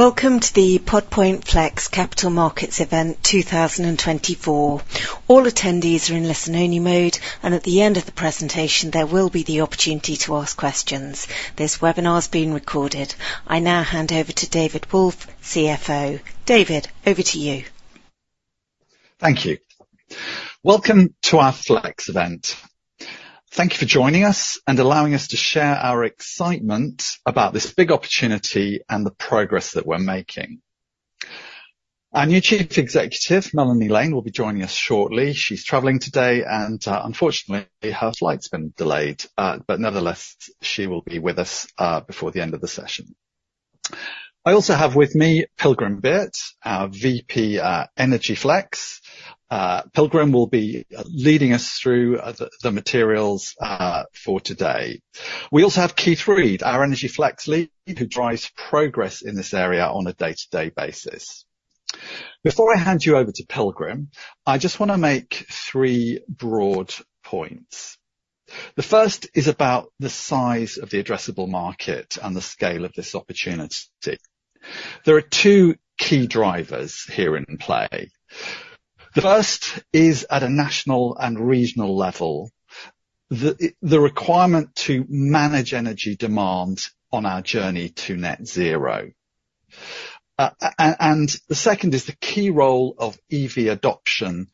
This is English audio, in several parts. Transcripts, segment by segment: Welcome to the Pod Point Flex Capital Markets Event 2024. All attendees are in listen-only mode, and at the end of the presentation, there will be the opportunity to ask questions. This webinar is being recorded. I now hand over to David Wolffe, CFO. David, over to you. Thank you. Welcome to our Flex event. Thank you for joining us and allowing us to share our excitement about this big opportunity and the progress that we're making. Our new Chief Executive, Melanie Lane, will be joining us shortly. She's traveling today, and, unfortunately, her flight's been delayed. But nevertheless, she will be with us before the end of the session. I also have with me Pilgrim Beart, our VP, Energy Flex. Pilgrim will be leading us through the materials for today. We also have Keith Reed, our Energy Flex Lead, who drives progress in this area on a day-to-day basis. Before I hand you over to Pilgrim, I just want to make three broad points. The first is about the size of the addressable market and the scale of this opportunity. There are two key drivers here in play. The first is at a national and regional level. The requirement to manage energy demand on our journey to net zero. The second is the key role of EV adoption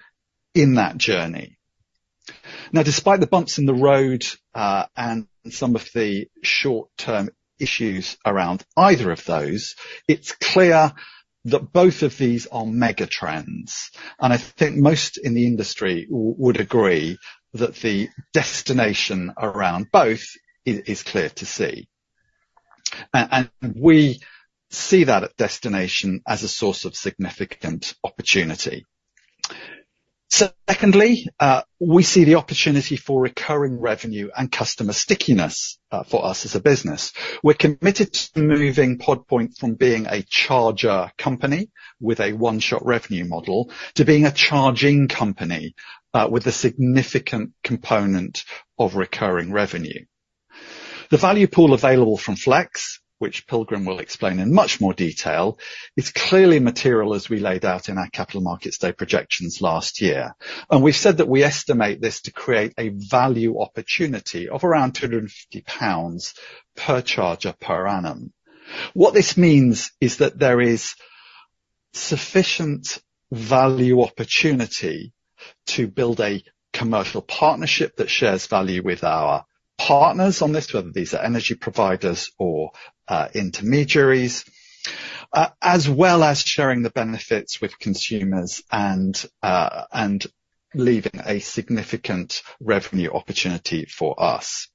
in that journey. Now, despite the bumps in the road, and some of the short-term issues around either of those, it's clear that both of these are megatrends, and I think most in the industry would agree that the destination around both is clear to see. We see that destination as a source of significant opportunity. Secondly, we see the opportunity for recurring revenue and customer stickiness for us as a business. We're committed to moving Pod Point from being a charger company with a one-shot revenue model, to being a charging company with a significant component of recurring revenue. The value pool available from Flex, which Pilgrim will explain in much more detail, is clearly material as we laid out in our capital markets day projections last year. We've said that we estimate this to create a value opportunity of around 250 pounds per charger, per annum. What this means is that there is sufficient value opportunity to build a commercial partnership that shares value with our partners on this, whether these are energy providers or intermediaries, as well as sharing the benefits with consumers and leaving a significant revenue opportunity for us.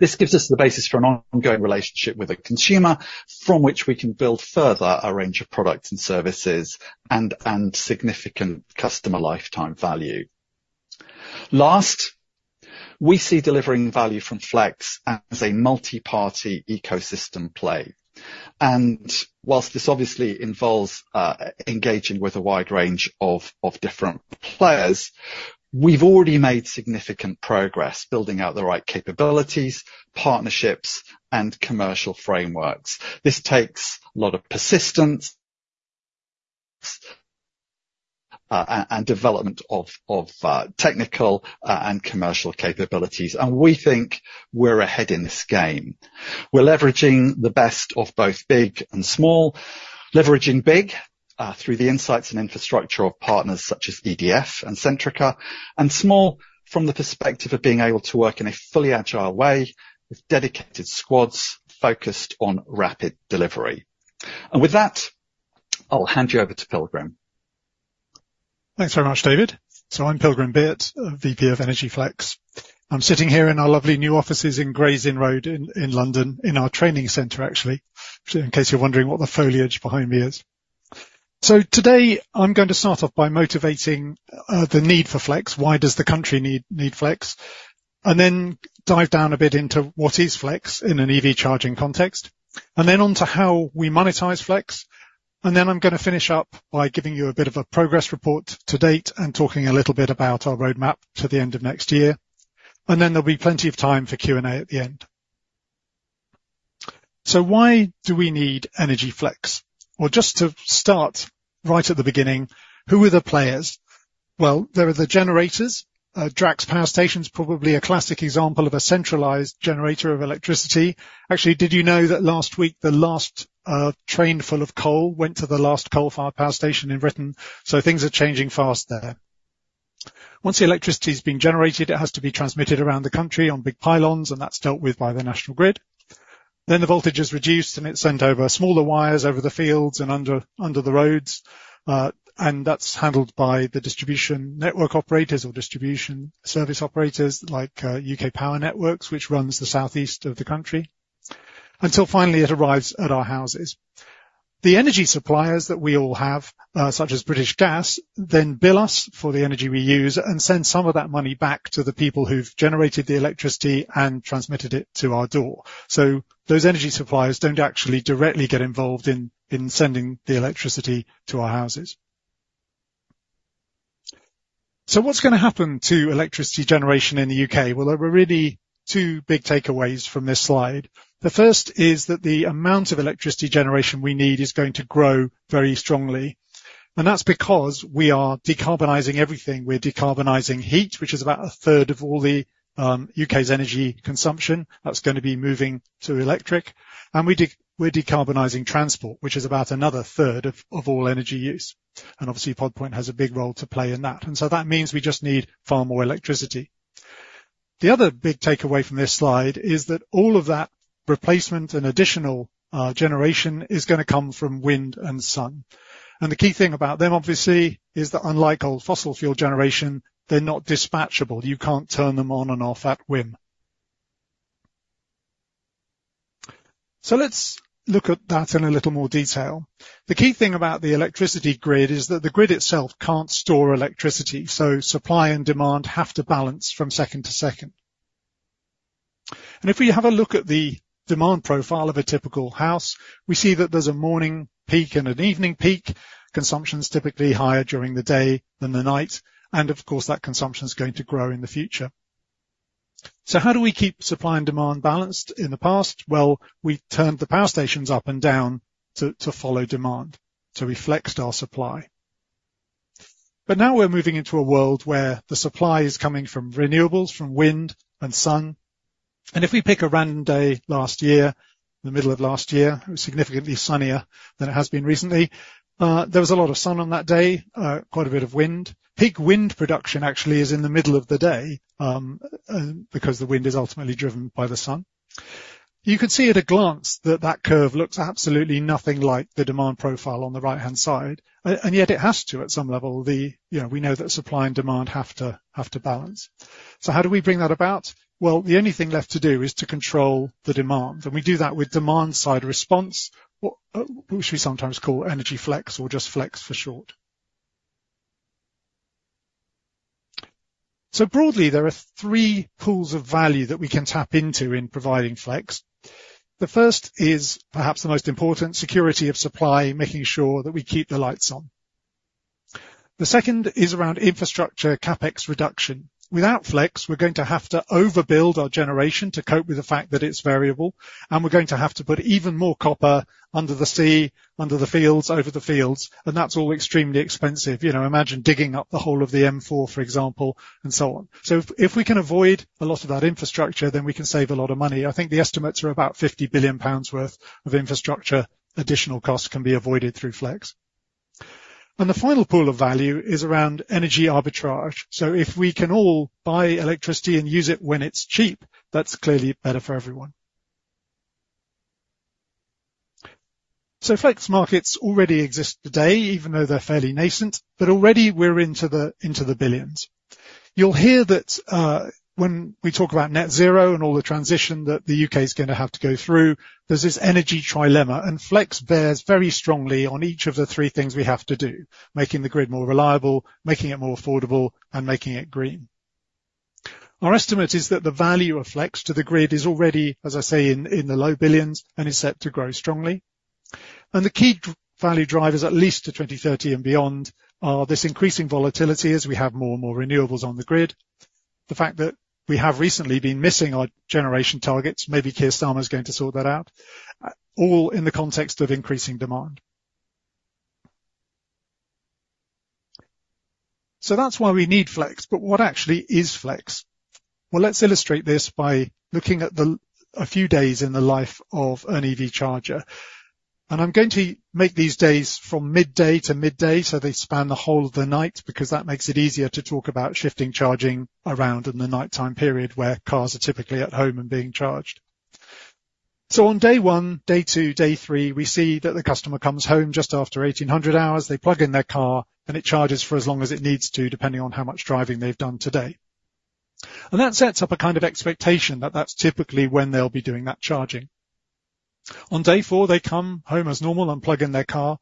This gives us the basis for an ongoing relationship with the consumer, from which we can build further a range of products and services and significant customer lifetime value. Last, we see delivering value from Flex as a multiparty ecosystem play, and while this obviously involves engaging with a wide range of different players, we've already made significant progress, building out the right capabilities, partnerships, and commercial frameworks. This takes a lot of persistence and development of technical and commercial capabilities, and we think we're ahead in this game. We're leveraging the best of both big and small. Leveraging big through the insights and infrastructure of partners such as EDF and Centrica, and small from the perspective of being able to work in a fully agile way with dedicated squads focused on rapid delivery. And with that, I'll hand you over to Pilgrim. Thanks very much, David. So I'm Pilgrim Beart, VP of Energy Flex. I'm sitting here in our lovely new offices in Gray's Inn Road in, in London, in our training center, actually, in case you're wondering what the foliage behind me is. So today I'm going to start off by motivating the need for Flex. Why does the country need, need Flex? And then dive down a bit into what is Flex in an EV charging context, and then onto how we monetize Flex, and then I'm gonna finish up by giving you a bit of a progress report to date and talking a little bit about our roadmap to the end of next year. And then there'll be plenty of time for Q&A at the end. So why do we need energy flex? Well, just to start right at the beginning, who are the players? Well, there are the generators. Drax Power Station's probably a classic example of a centralized generator of electricity. Actually, did you know that last week, the last train full of coal went to the last coal-fired power station in Britain? So things are changing fast there. Once the electricity's been generated, it has to be transmitted around the country on big pylons, and that's dealt with by the National Grid. Then the voltage is reduced, and it's sent over smaller wires over the fields and under the roads, and that's handled by the distribution network operators or distribution system operators like U.K. Power Networks, which runs the southeast of the country, until finally it arrives at our houses. The energy suppliers that we all have, such as British Gas, then bill us for the energy we use and send some of that money back to the people who've generated the electricity and transmitted it to our door. So those energy suppliers don't actually directly get involved in sending the electricity to our houses. So what's gonna happen to electricity generation in the U.K.? Well, there were really two big takeaways from this slide. The first is that the amount of electricity generation we need is going to grow very strongly, and that's because we are decarbonizing everything. We're decarbonizing heat, which is about a third of all the U.K.'s energy consumption. That's gonna be moving to electric. And we're decarbonizing transport, which is about another third of all energy use, and obviously, Pod Point has a big role to play in that. And so that means we just need far more electricity. The other big takeaway from this slide is that all of that replacement and additional generation is gonna come from wind and sun. And the key thing about them, obviously, is that unlike old fossil fuel generation, they're not dispatchable. You can't turn them on and off at whim. So let's look at that in a little more detail. The key thing about the electricity grid is that the grid itself can't store electricity, so supply and demand have to balance from second to second. And if we have a look at the demand profile of a typical house, we see that there's a morning peak and an evening peak. Consumption is typically higher during the day than the night, and of course, that consumption is going to grow in the future. So how do we keep supply and demand balanced in the past? Well, we turned the power stations up and down to follow demand, to reflect our supply. But now we're moving into a world where the supply is coming from renewables, from wind and sun, and if we pick a random day last year, the middle of last year, it was significantly sunnier than it has been recently. There was a lot of sun on that day, quite a bit of wind. Peak wind production actually is in the middle of the day, because the wind is ultimately driven by the sun. You can see at a glance that that curve looks absolutely nothing like the demand profile on the right-hand side, and yet it has to, at some level. You know, we know that supply and demand have to balance. So how do we bring that about? Well, the only thing left to do is to control the demand, and we do that with demand-side response, which we sometimes call energy flex or just flex for short. So broadly, there are three pools of value that we can tap into in providing flex. The first is perhaps the most important, security of supply, making sure that we keep the lights on. The second is around infrastructure, CapEx reduction. Without flex, we're going to have to overbuild our generation to cope with the fact that it's variable, and we're going to have to put even more copper under the sea, under the fields, over the fields, and that's all extremely expensive. You know, imagine digging up the whole of the M4, for example, and so on. So if we can avoid a lot of that infrastructure, then we can save a lot of money. I think the estimates are about 50 billion pounds worth of infrastructure additional costs that can be avoided through flex. And the final pool of value is around energy arbitrage. So if we can all buy electricity and use it when it's cheap, that's clearly better for everyone. So flex markets already exist today, even though they're fairly nascent, but already we're into the, into the billions. You'll hear that when we talk about net zero and all the transition that the U.K. is gonna have to go through, there's this energy trilemma, and flex bears very strongly on each of the three things we have to do, making the grid more reliable, making it more affordable, and making it green. Our estimate is that the value of flex to the grid is already, as I say, in the low billions GBP and is set to grow strongly. The key value drivers, at least to 2030 and beyond, are this increasing volatility as we have more and more renewables on the grid. The fact that we have recently been missing our generation targets, maybe Keir Starmer is going to sort that out, all in the context of increasing demand. So that's why we need flex. But what actually is flex? Well, let's illustrate this by looking at the... A few days in the life of an EV charger. I'm going to make these days from midday to midday, so they span the whole of the night, because that makes it easier to talk about shifting, charging around in the nighttime period, where cars are typically at home and being charged. On day one, day two, day three, we see that the customer comes home just after 1800 hours. They plug in their car, and it charges for as long as it needs to, depending on how much driving they've done today. That sets up a kind of expectation that that's typically when they'll be doing that charging. On day four, they come home as normal and plug in their car,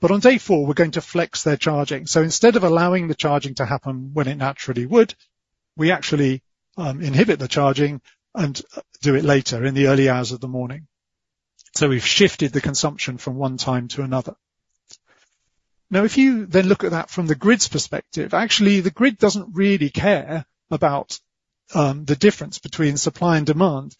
but on day four, we're going to flex their charging. So instead of allowing the charging to happen when it naturally would, we actually inhibit the charging and do it later in the early hours of the morning. So we've shifted the consumption from one time to another. Now, if you then look at that from the grid's perspective, actually, the grid doesn't really care about the difference between supply and demand.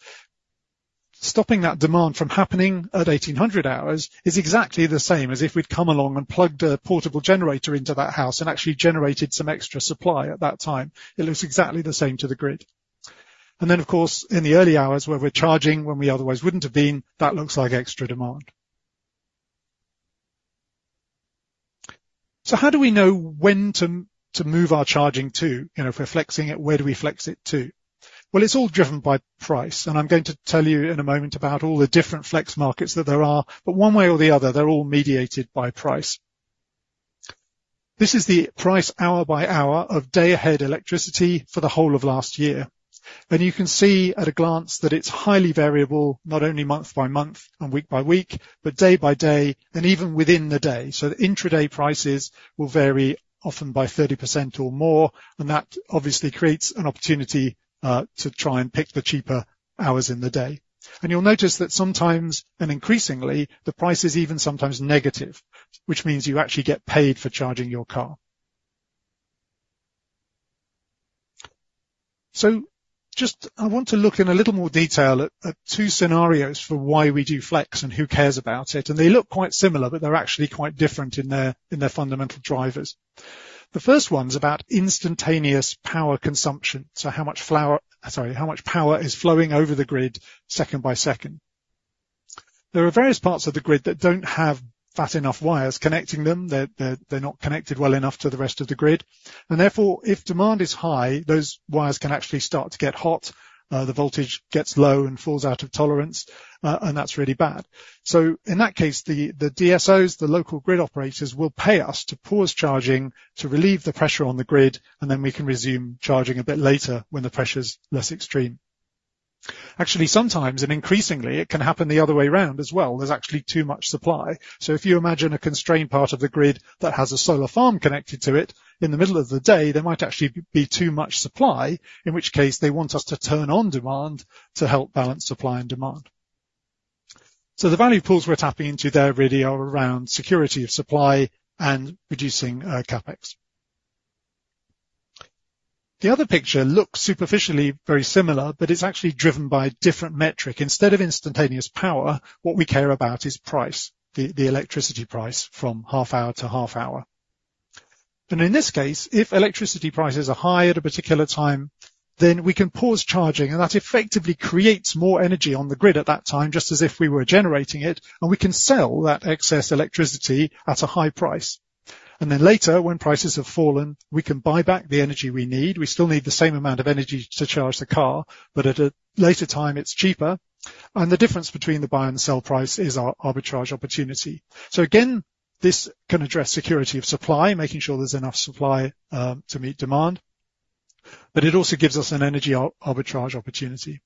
Stopping that demand from happening at 6:00 P.M. is exactly the same as if we'd come along and plugged a portable generator into that house and actually generated some extra supply at that time. It looks exactly the same to the grid. And then, of course, in the early hours, where we're charging, when we otherwise wouldn't have been, that looks like extra demand. So how do we know when to move our charging to? You know, if we're flexing it, where do we flex it to? Well, it's all driven by price, and I'm going to tell you in a moment about all the different flex markets that there are, but one way or the other, they're all mediated by price. This is the price hour by hour of day-ahead electricity for the whole of last year. And you can see at a glance that it's highly variable, not only month by month and week by week, but day by day and even within the day. So the intra-day prices will vary, often by 30% or more, and that obviously creates an opportunity to try and pick the cheaper hours in the day. And you'll notice that sometimes, and increasingly, the price is even sometimes negative, which means you actually get paid for charging your car. So just I want to look in a little more detail at two scenarios for why we do flex and who cares about it, and they look quite similar, but they're actually quite different in their fundamental drivers. The first one is about instantaneous power consumption, so how much flower, sorry, how much power is flowing over the grid second by second. There are various parts of the grid that don't have fat enough wires connecting them. They're not connected well enough to the rest of the grid, and therefore, if demand is high, those wires can actually start to get hot, the voltage gets low and falls out of tolerance, and that's really bad. So in that case, the DSOs, the local grid operators, will pay us to pause charging to relieve the pressure on the grid, and then we can resume charging a bit later when the pressure's less extreme. Actually, sometimes, and increasingly, it can happen the other way around as well. There's actually too much supply. So if you imagine a constrained part of the grid that has a solar farm connected to it, in the middle of the day, there might actually be too much supply, in which case they want us to turn on demand to help balance supply and demand. So the value pools we're tapping into there really are around security of supply and reducing CapEx. The other picture looks superficially very similar, but it's actually driven by a different metric. Instead of instantaneous power, what we care about is price, the electricity price from half-hour to half-hour. And in this case, if electricity prices are high at a particular time, then we can pause charging, and that effectively creates more energy on the grid at that time, just as if we were generating it, and we can sell that excess electricity at a high price. And then later, when prices have fallen, we can buy back the energy we need. We still need the same amount of energy to charge the car, but at a later time, it's cheaper, and the difference between the buy and the sell price is our arbitrage opportunity. So again, this can address security of supply, making sure there's enough supply to meet demand, but it also gives us an energy arbitrage opportunity.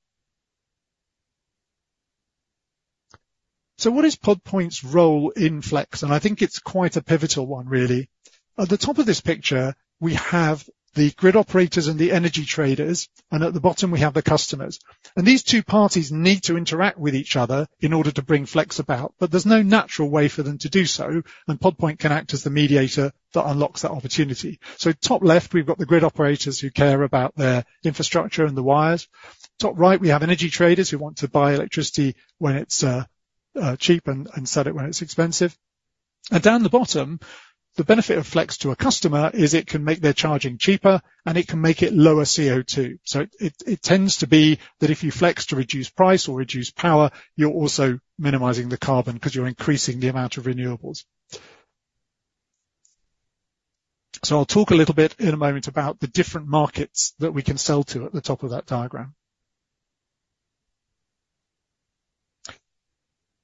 So what is Pod Point's role in flex? I think it's quite a pivotal one, really. At the top of this picture, we have the grid operators and the energy traders, and at the bottom, we have the customers. These two parties need to interact with each other in order to bring flex about, but there's no natural way for them to do so, and Pod Point can act as the mediator that unlocks that opportunity. So top left, we've got the grid operators, who care about their infrastructure and the wires. Top right, we have energy traders, who want to buy electricity when it's cheap and sell it when it's expensive. Down the bottom, the benefit of flex to a customer is it can make their charging cheaper, and it can make it lower CO2. So it tends to be that if you flex to reduce price or reduce power, you're also minimizing the carbon, 'cause you're increasing the amount of renewables. So I'll talk a little bit in a moment about the different markets that we can sell to at the top of that diagram.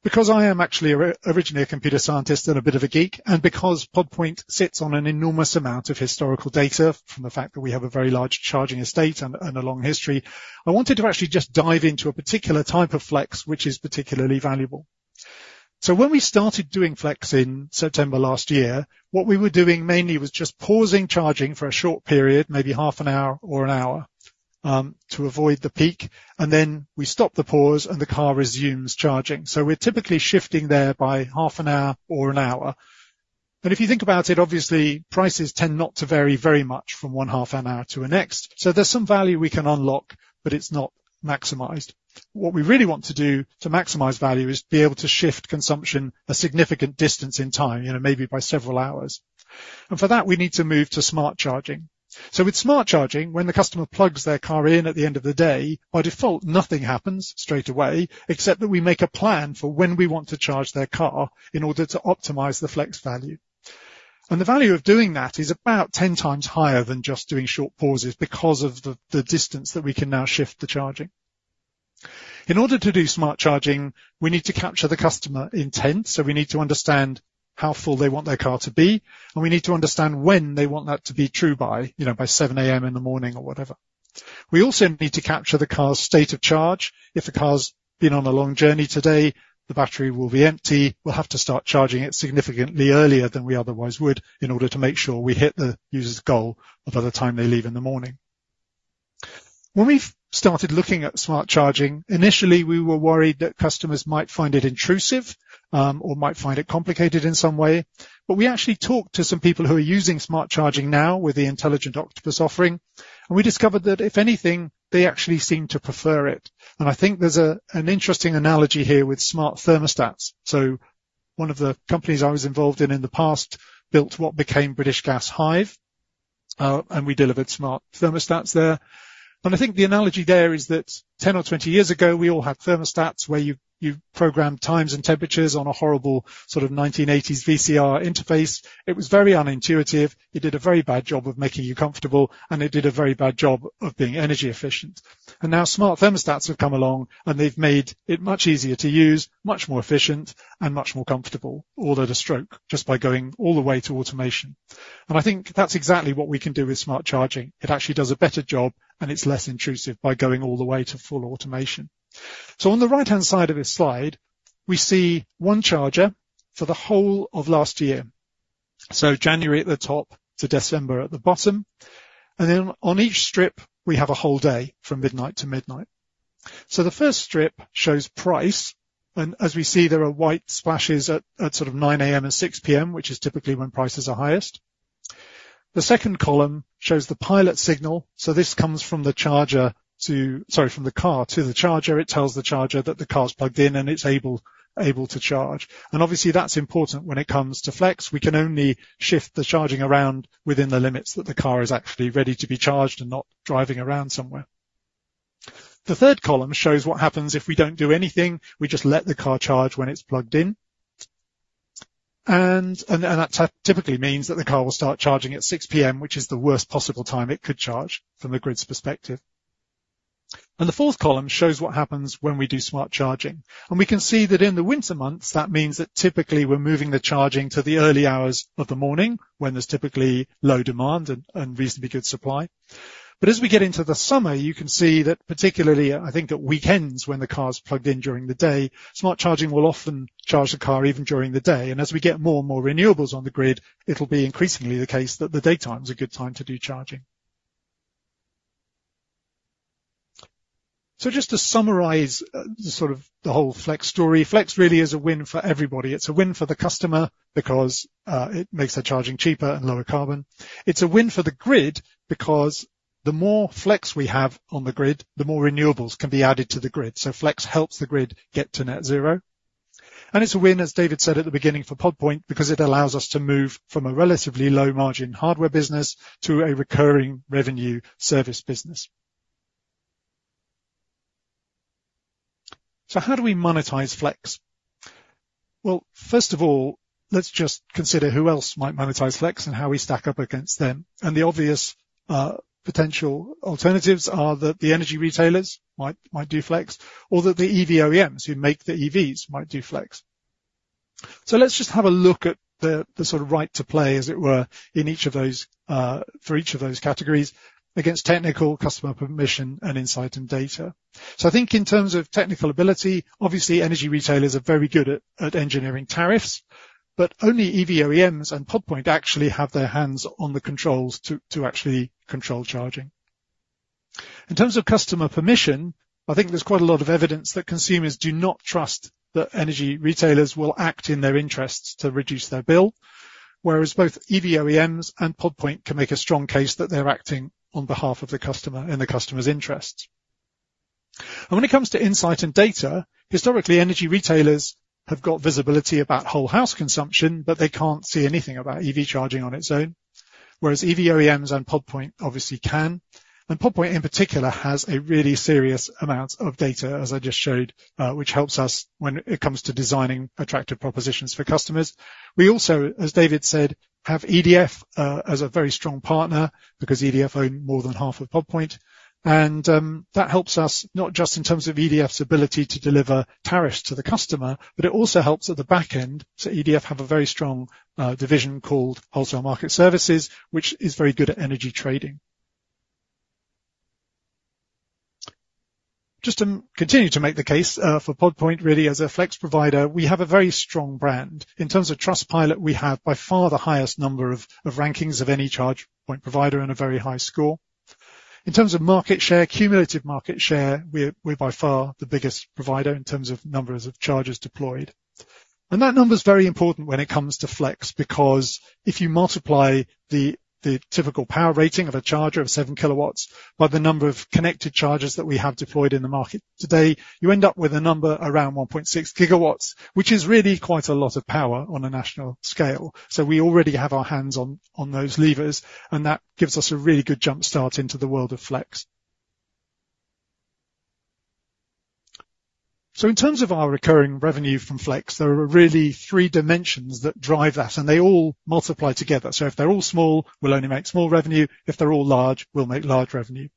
Because I am actually originally a computer scientist and a bit of a geek, and because Pod Point sits on an enormous amount of historical data from the fact that we have a very large charging estate and a long history, I wanted to actually just dive into a particular type of flex, which is particularly valuable. So when we started doing flex in September last year, what we were doing mainly was just pausing charging for a short period, maybe half an hour or an hour, to avoid the peak, and then we stop the pause, and the car resumes charging. So we're typically shifting there by half an hour or an hour. But if you think about it, obviously, prices tend not to vary very much from one half an hour to the next, so there's some value we can unlock, but it's not maximized. What we really want to do to maximize value is be able to shift consumption a significant distance in time, you know, maybe by several hours. And for that, we need to move to smart charging. So with smart charging, when the customer plugs their car in at the end of the day, by default, nothing happens straight away, except that we make a plan for when we want to charge their car in order to optimize the flex value. And the value of doing that is about 10 times higher than just doing short pauses because of the distance that we can now shift the charging. In order to do smart charging, we need to capture the customer intent, so we need to understand how full they want their car to be, and we need to understand when they want that to be true by, you know, by 7 A.M. in the morning or whatever. We also need to capture the car's state of charge. If the car's been on a long journey today, the battery will be empty. We'll have to start charging it significantly earlier than we otherwise would in order to make sure we hit the user's goal by the time they leave in the morning. When we've started looking at smart charging, initially, we were worried that customers might find it intrusive, or might find it complicated in some way, but we actually talked to some people who are using smart charging now with the Intelligent Octopus offering, and we discovered that, if anything, they actually seem to prefer it. And I think there's an interesting analogy here with smart thermostats. So one of the companies I was involved in in the past built what became British Gas Hive, and we delivered smart thermostats there. I think the analogy there is that 10 or 20 years ago, we all had thermostats where you, you programmed times and temperatures on a horrible sort of 1980s VCR interface. It was very unintuitive, it did a very bad job of making you comfortable, and it did a very bad job of being energy efficient. Now smart thermostats have come along, and they've made it much easier to use, much more efficient, and much more comfortable, all at a stroke, just by going all the way to automation. I think that's exactly what we can do with smart charging. It actually does a better job, and it's less intrusive by going all the way to full automation. So on the right-hand side of this slide, we see one charger for the whole of last year. So January at the top to December at the bottom. And then on each strip, we have a whole day, from midnight to midnight. So the first strip shows price, and as we see, there are white splashes at sort of 9:00 A.M.-6:00 P.M., which is typically when prices are highest. The second column shows the pilot signal, so this comes from the charger to-- Sorry, from the car to the charger. It tells the charger that the car is plugged in, and it's able to charge. And obviously, that's important when it comes to flex. We can only shift the charging around within the limits that the car is actually ready to be charged and not driving around somewhere. The third column shows what happens if we don't do anything, we just let the car charge when it's plugged in. That typically means that the car will start charging at 6:00 P.M., which is the worst possible time it could charge from the grid's perspective. The fourth column shows what happens when we do smart charging. We can see that in the winter months, that means that typically we're moving the charging to the early hours of the morning, when there's typically low demand and reasonably good supply. But as we get into the summer, you can see that particularly, I think on weekends, when the car's plugged in during the day, smart charging will often charge the car even during the day. As we get more and more renewables on the grid, it'll be increasingly the case that the daytime is a good time to do charging. So just to summarize, sort of the whole flex story. Flex really is a win for everybody. It's a win for the customer because, it makes their charging cheaper and lower carbon. It's a win for the grid, because the more flex we have on the grid, the more renewables can be added to the grid. So flex helps the grid get to Net Zero. It's a win, as David said at the beginning, for Pod Point, because it allows us to move from a relatively low margin hardware business to a recurring revenue service business. So how do we monetize flex? Well, first of all, let's just consider who else might monetize flex and how we stack up against them. The obvious potential alternatives are that the energy retailers might do flex, or that the EV OEMs, who make the EVs, might do flex. So let's just have a look at the sort of right to play, as it were, in each of those for each of those categories, against technical, customer permission, and insight and data. So I think in terms of technical ability, obviously, energy retailers are very good at engineering tariffs, but only EV OEMs and Pod Point actually have their hands on the controls to actually control charging. In terms of customer permission, I think there's quite a lot of evidence that consumers do not trust that energy retailers will act in their interests to reduce their bill, whereas both EV OEMs and Pod Point can make a strong case that they're acting on behalf of the customer, in the customer's interests. When it comes to insight and data, historically, energy retailers have got visibility about whole house consumption, but they can't see anything about EV charging on its own. Whereas EV OEMs and Pod Point obviously can, and Pod Point, in particular, has a really serious amount of data, as I just showed, which helps us when it comes to designing attractive propositions for customers. We also, as David said, have EDF as a very strong partner, because EDF own more than half of Pod Point. And, that helps us, not just in terms of EDF's ability to deliver tariffs to the customer, but it also helps at the back end. So EDF have a very strong division called Wholesale Market Services, which is very good at energy trading. Just to continue to make the case for Pod Point, really, as a flex provider, we have a very strong brand. In terms of Trustpilot, we have by far the highest number of rankings of any charge point provider and a very high score. In terms of market share, cumulative market share, we're by far the biggest provider in terms of numbers of chargers deployed. And that number is very important when it comes to flex, because if you multiply the typical power rating of a charger of 7 kW by the number of connected chargers that we have deployed in the market today, you end up with a number around 1.6 GW, which is really quite a lot of power on a national scale. So we already have our hands on those levers, and that gives us a really good jump start into the world of flex. So in terms of our recurring revenue from flex, there are really three dimensions that drive that, and they all multiply together. So if they're all small, we'll only make small revenue. If they're all large, we'll make large revenue.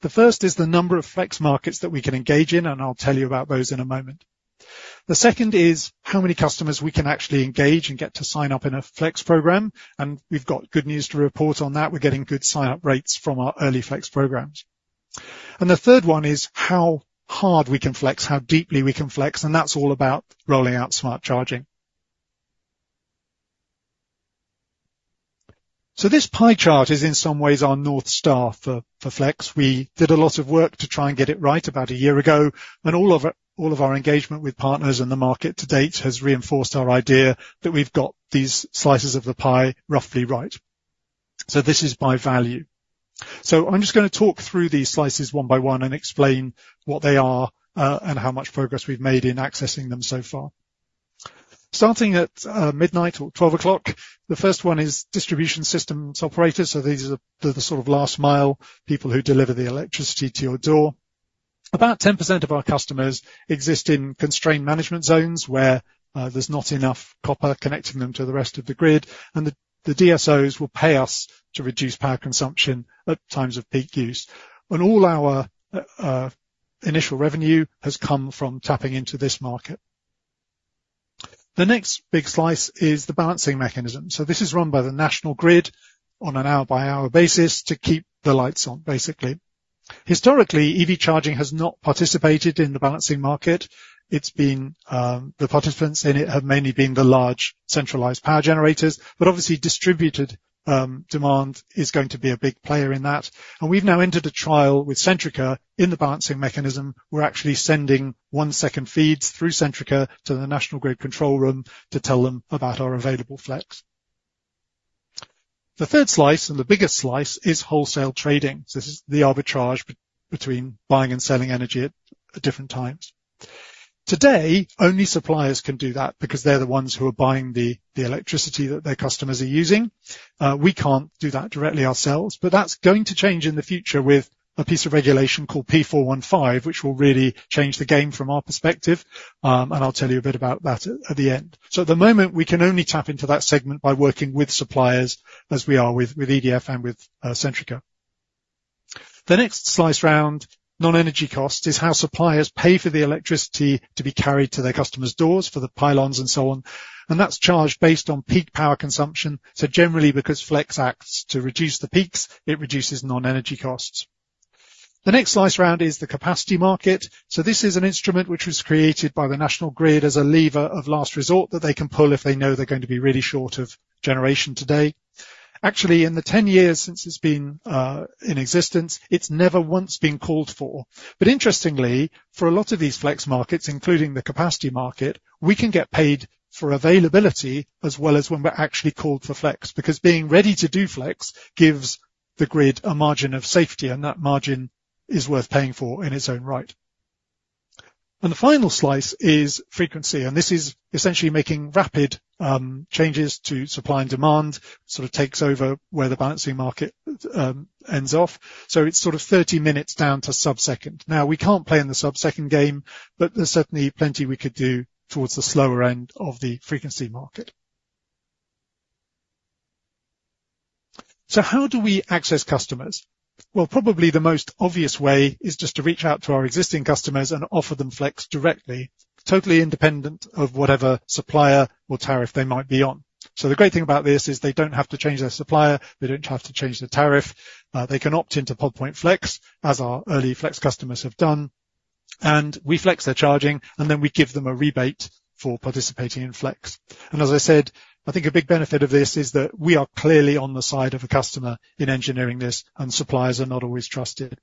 The first is the number of flex markets that we can engage in, and I'll tell you about those in a moment. The second is how many customers we can actually engage and get to sign up in a flex program, and we've got good news to report on that. We're getting good sign-up rates from our early flex programs. And the third one is how hard we can flex, how deeply we can flex, and that's all about rolling out smart charging. So this pie chart is, in some ways, our North Star for, for flex. We did a lot of work to try and get it right about a year ago, and all of our, all of our engagement with partners in the market to date has reinforced our idea that we've got these slices of the pie roughly right. So this is by value. So I'm just gonna talk through these slices one by one and explain what they are, and how much progress we've made in accessing them so far. Starting at, midnight or 12 o'clock, the first one is Distribution System Operators, so these are the, the sort of last mile, people who deliver the electricity to your door. About 10% of our customers exist in Constrained Management Zones, where there's not enough copper connecting them to the rest of the grid, and the DSOs will pay us to reduce power consumption at times of peak use. All our initial revenue has come from tapping into this market. The next big slice is the Balancing Mechanism. So this is run by the National Grid on an hour-by-hour basis to keep the lights on, basically. Historically, EV charging has not participated in the balancing market. It's been the participants in it have mainly been the large, centralized power generators, but obviously distributed demand is going to be a big player in that. And we've now entered a trial with Centrica in the Balancing Mechanism. We're actually sending one-second feeds through Centrica to the National Grid control room to tell them about our available flex. The third slice, and the biggest slice, is wholesale trading. This is the arbitrage between buying and selling energy at different times. Today, only suppliers can do that because they're the ones who are buying the electricity that their customers are using. We can't do that directly ourselves, but that's going to change in the future with a piece of regulation called P415, which will really change the game from our perspective, and I'll tell you a bit about that at the end. So at the moment, we can only tap into that segment by working with suppliers as we are with EDF and with Centrica. The next slice around, non-energy cost, is how suppliers pay for the electricity to be carried to their customers' doors, for the pylons and so on, and that's charged based on peak power consumption. So generally, because flex acts to reduce the peaks, it reduces non-energy costs. The next slice around is the Capacity Market. So this is an instrument which was created by the National Grid as a lever of last resort that they can pull if they know they're going to be really short of generation today. Actually, in the 10 years since it's been in existence, it's never once been called for. But interestingly, for a lot of these flex markets, including the capacity market, we can get paid for availability as well as when we're actually called for flex, because being ready to do flex gives the grid a margin of safety, and that margin is worth paying for in its own right. And the final slice is frequency, and this is essentially making rapid changes to supply and demand. Sort of takes over where the balancing market ends off. So it's sort of 30 minutes down to sub-second. Now, we can't play in the sub-second game, but there's certainly plenty we could do towards the slower end of the frequency market. So how do we access customers? Well, probably the most obvious way is just to reach out to our existing customers and offer them flex directly, totally independent of whatever supplier or tariff they might be on. So the great thing about this is they don't have to change their supplier, they don't have to change their tariff. They can opt into Pod Point Flex, as our early flex customers have done, and we flex their charging, and then we give them a rebate for participating in Flex. And as I said, I think a big benefit of this is that we are clearly on the side of the customer in engineering this, and suppliers are not always trusted.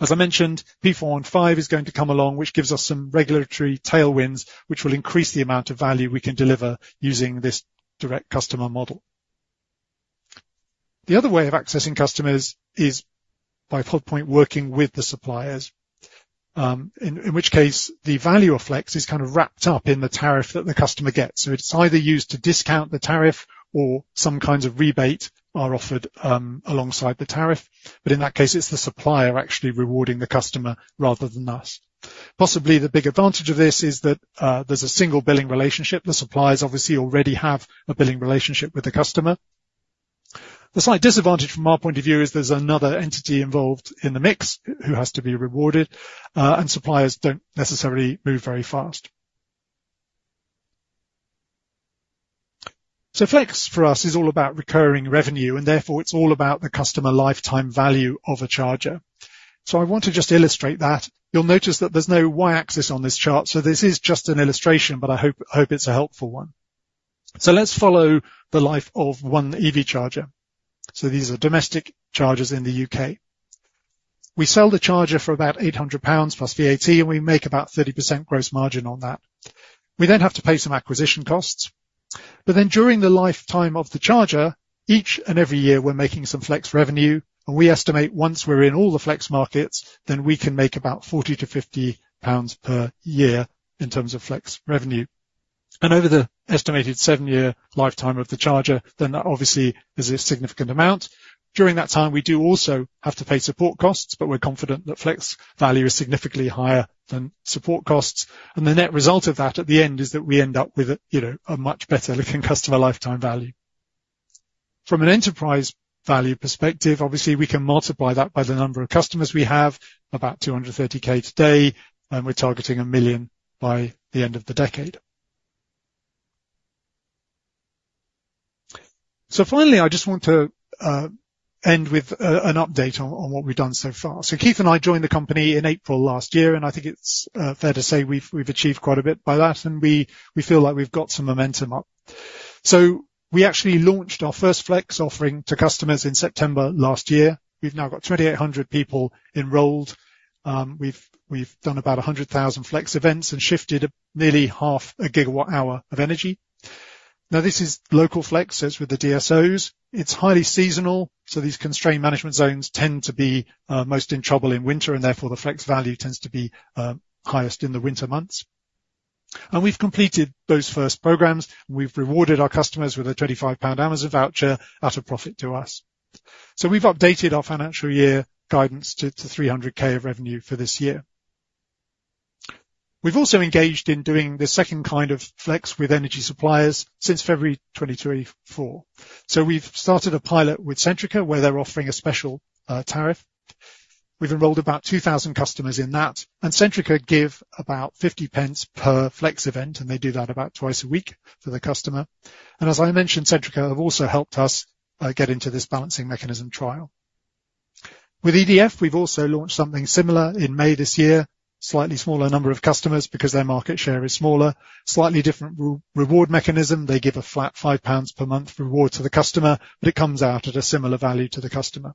As I mentioned, P415 is going to come along, which gives us some regulatory tailwinds, which will increase the amount of value we can deliver using this direct customer model. The other way of accessing customers is by Pod Point working with the suppliers, in which case, the value of flex is kind of wrapped up in the tariff that the customer gets. So it's either used to discount the tariff or some kinds of rebate are offered, alongside the tariff. But in that case, it's the supplier actually rewarding the customer rather than us. Possibly, the big advantage of this is that, there's a single billing relationship. The suppliers obviously already have a billing relationship with the customer. The slight disadvantage from our point of view is there's another entity involved in the mix who has to be rewarded, and suppliers don't necessarily move very fast. So flex, for us, is all about recurring revenue, and therefore it's all about the customer lifetime value of a charger. So I want to just illustrate that. You'll notice that there's no Y-axis on this chart, so this is just an illustration, but I hope it's a helpful one. So let's follow the life of one EV charger. These are domestic chargers in the U.K. We sell the charger for about 800 pounds + VAT, and we make about 30% gross margin on that. We then have to pay some acquisition costs, but then during the lifetime of the charger, each and every year, we're making some flex revenue, and we estimate once we're in all the flex markets, then we can make about 40-50 pounds per year in terms of flex revenue. Over the estimated 7-year lifetime of the charger, then that obviously is a significant amount. During that time, we do also have to pay support costs, but we're confident that flex value is significantly higher than support costs. The net result of that, at the end, is that we end up with a, you know, a much better-looking customer lifetime value. From an enterprise value perspective, obviously, we can multiply that by the number of customers we have, about 230K today, and we're targeting 1 million by the end of the decade. So finally, I just want to end with an update on what we've done so far. So Keith and I joined the company in April last year, and I think it's fair to say we've achieved quite a bit by that, and we feel like we've got some momentum up. So we actually launched our first flex offering to customers in September last year. We've now got 2,800 people enrolled. We've done about 100,000 flex events and shifted nearly 0.5 GWh of energy. Now, this is local flex, as with the DSOs. It's highly seasonal, so these constrained management zones tend to be most in trouble in winter, and therefore, the flex value tends to be highest in the winter months. We've completed those first programs. We've rewarded our customers with a 25 pound Amazon voucher at a profit to us. We've updated our financial year guidance to 300,000 of revenue for this year. We've also engaged in doing the second kind of flex with energy suppliers since February 2023-2024. We've started a pilot with Centrica, where they're offering a special tariff. We've enrolled about 2,000 customers in that, and Centrica give about 0.50 per flex event, and they do that about twice a week for the customer. As I mentioned, Centrica have also helped us get into this balancing mechanism trial. With EDF, we've also launched something similar in May this year. Slightly smaller number of customers because their market share is smaller. Slightly different reward mechanism. They give a flat 5 pounds per month reward to the customer, but it comes out at a similar value to the customer.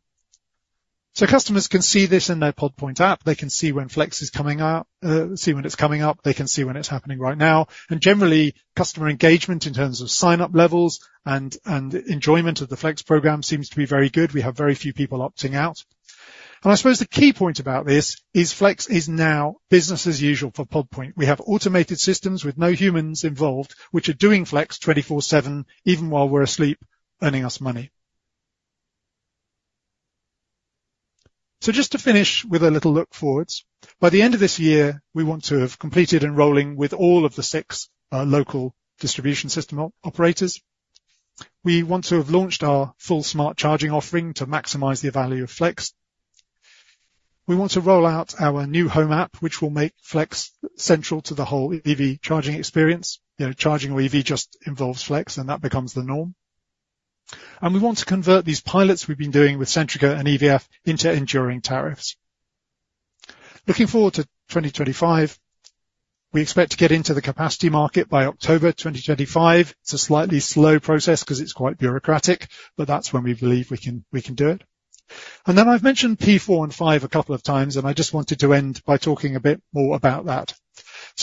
So customers can see this in their Pod Point app. They can see when Flex is coming up, see when it's coming up, they can see when it's happening right now. And generally, customer engagement in terms of sign-up levels and enjoyment of the Flex program seems to be very good. We have very few people opting out. And I suppose the key point about this is Flex is now business as usual for Pod Point. We have automated systems with no humans involved, which are doing Flex 24/7, even while we're asleep, earning us money. So just to finish with a little look forwards. By the end of this year, we want to have completed enrolling with all of the six local distribution system operators. We want to have launched our full smart charging offering to maximize the value of Flex. We want to roll out our new home app, which will make Flex central to the whole EV charging experience. You know, charging your EV just involves Flex, and that becomes the norm. And we want to convert these pilots we've been doing with Centrica and EDF into enduring tariffs. Looking forward to 2025, we expect to get into the capacity market by October 2025. It's a slightly slow process 'cause it's quite bureaucratic, but that's when we believe we can, we can do it. Then I've mentioned P415 a couple of times, and I just wanted to end by talking a bit more about that.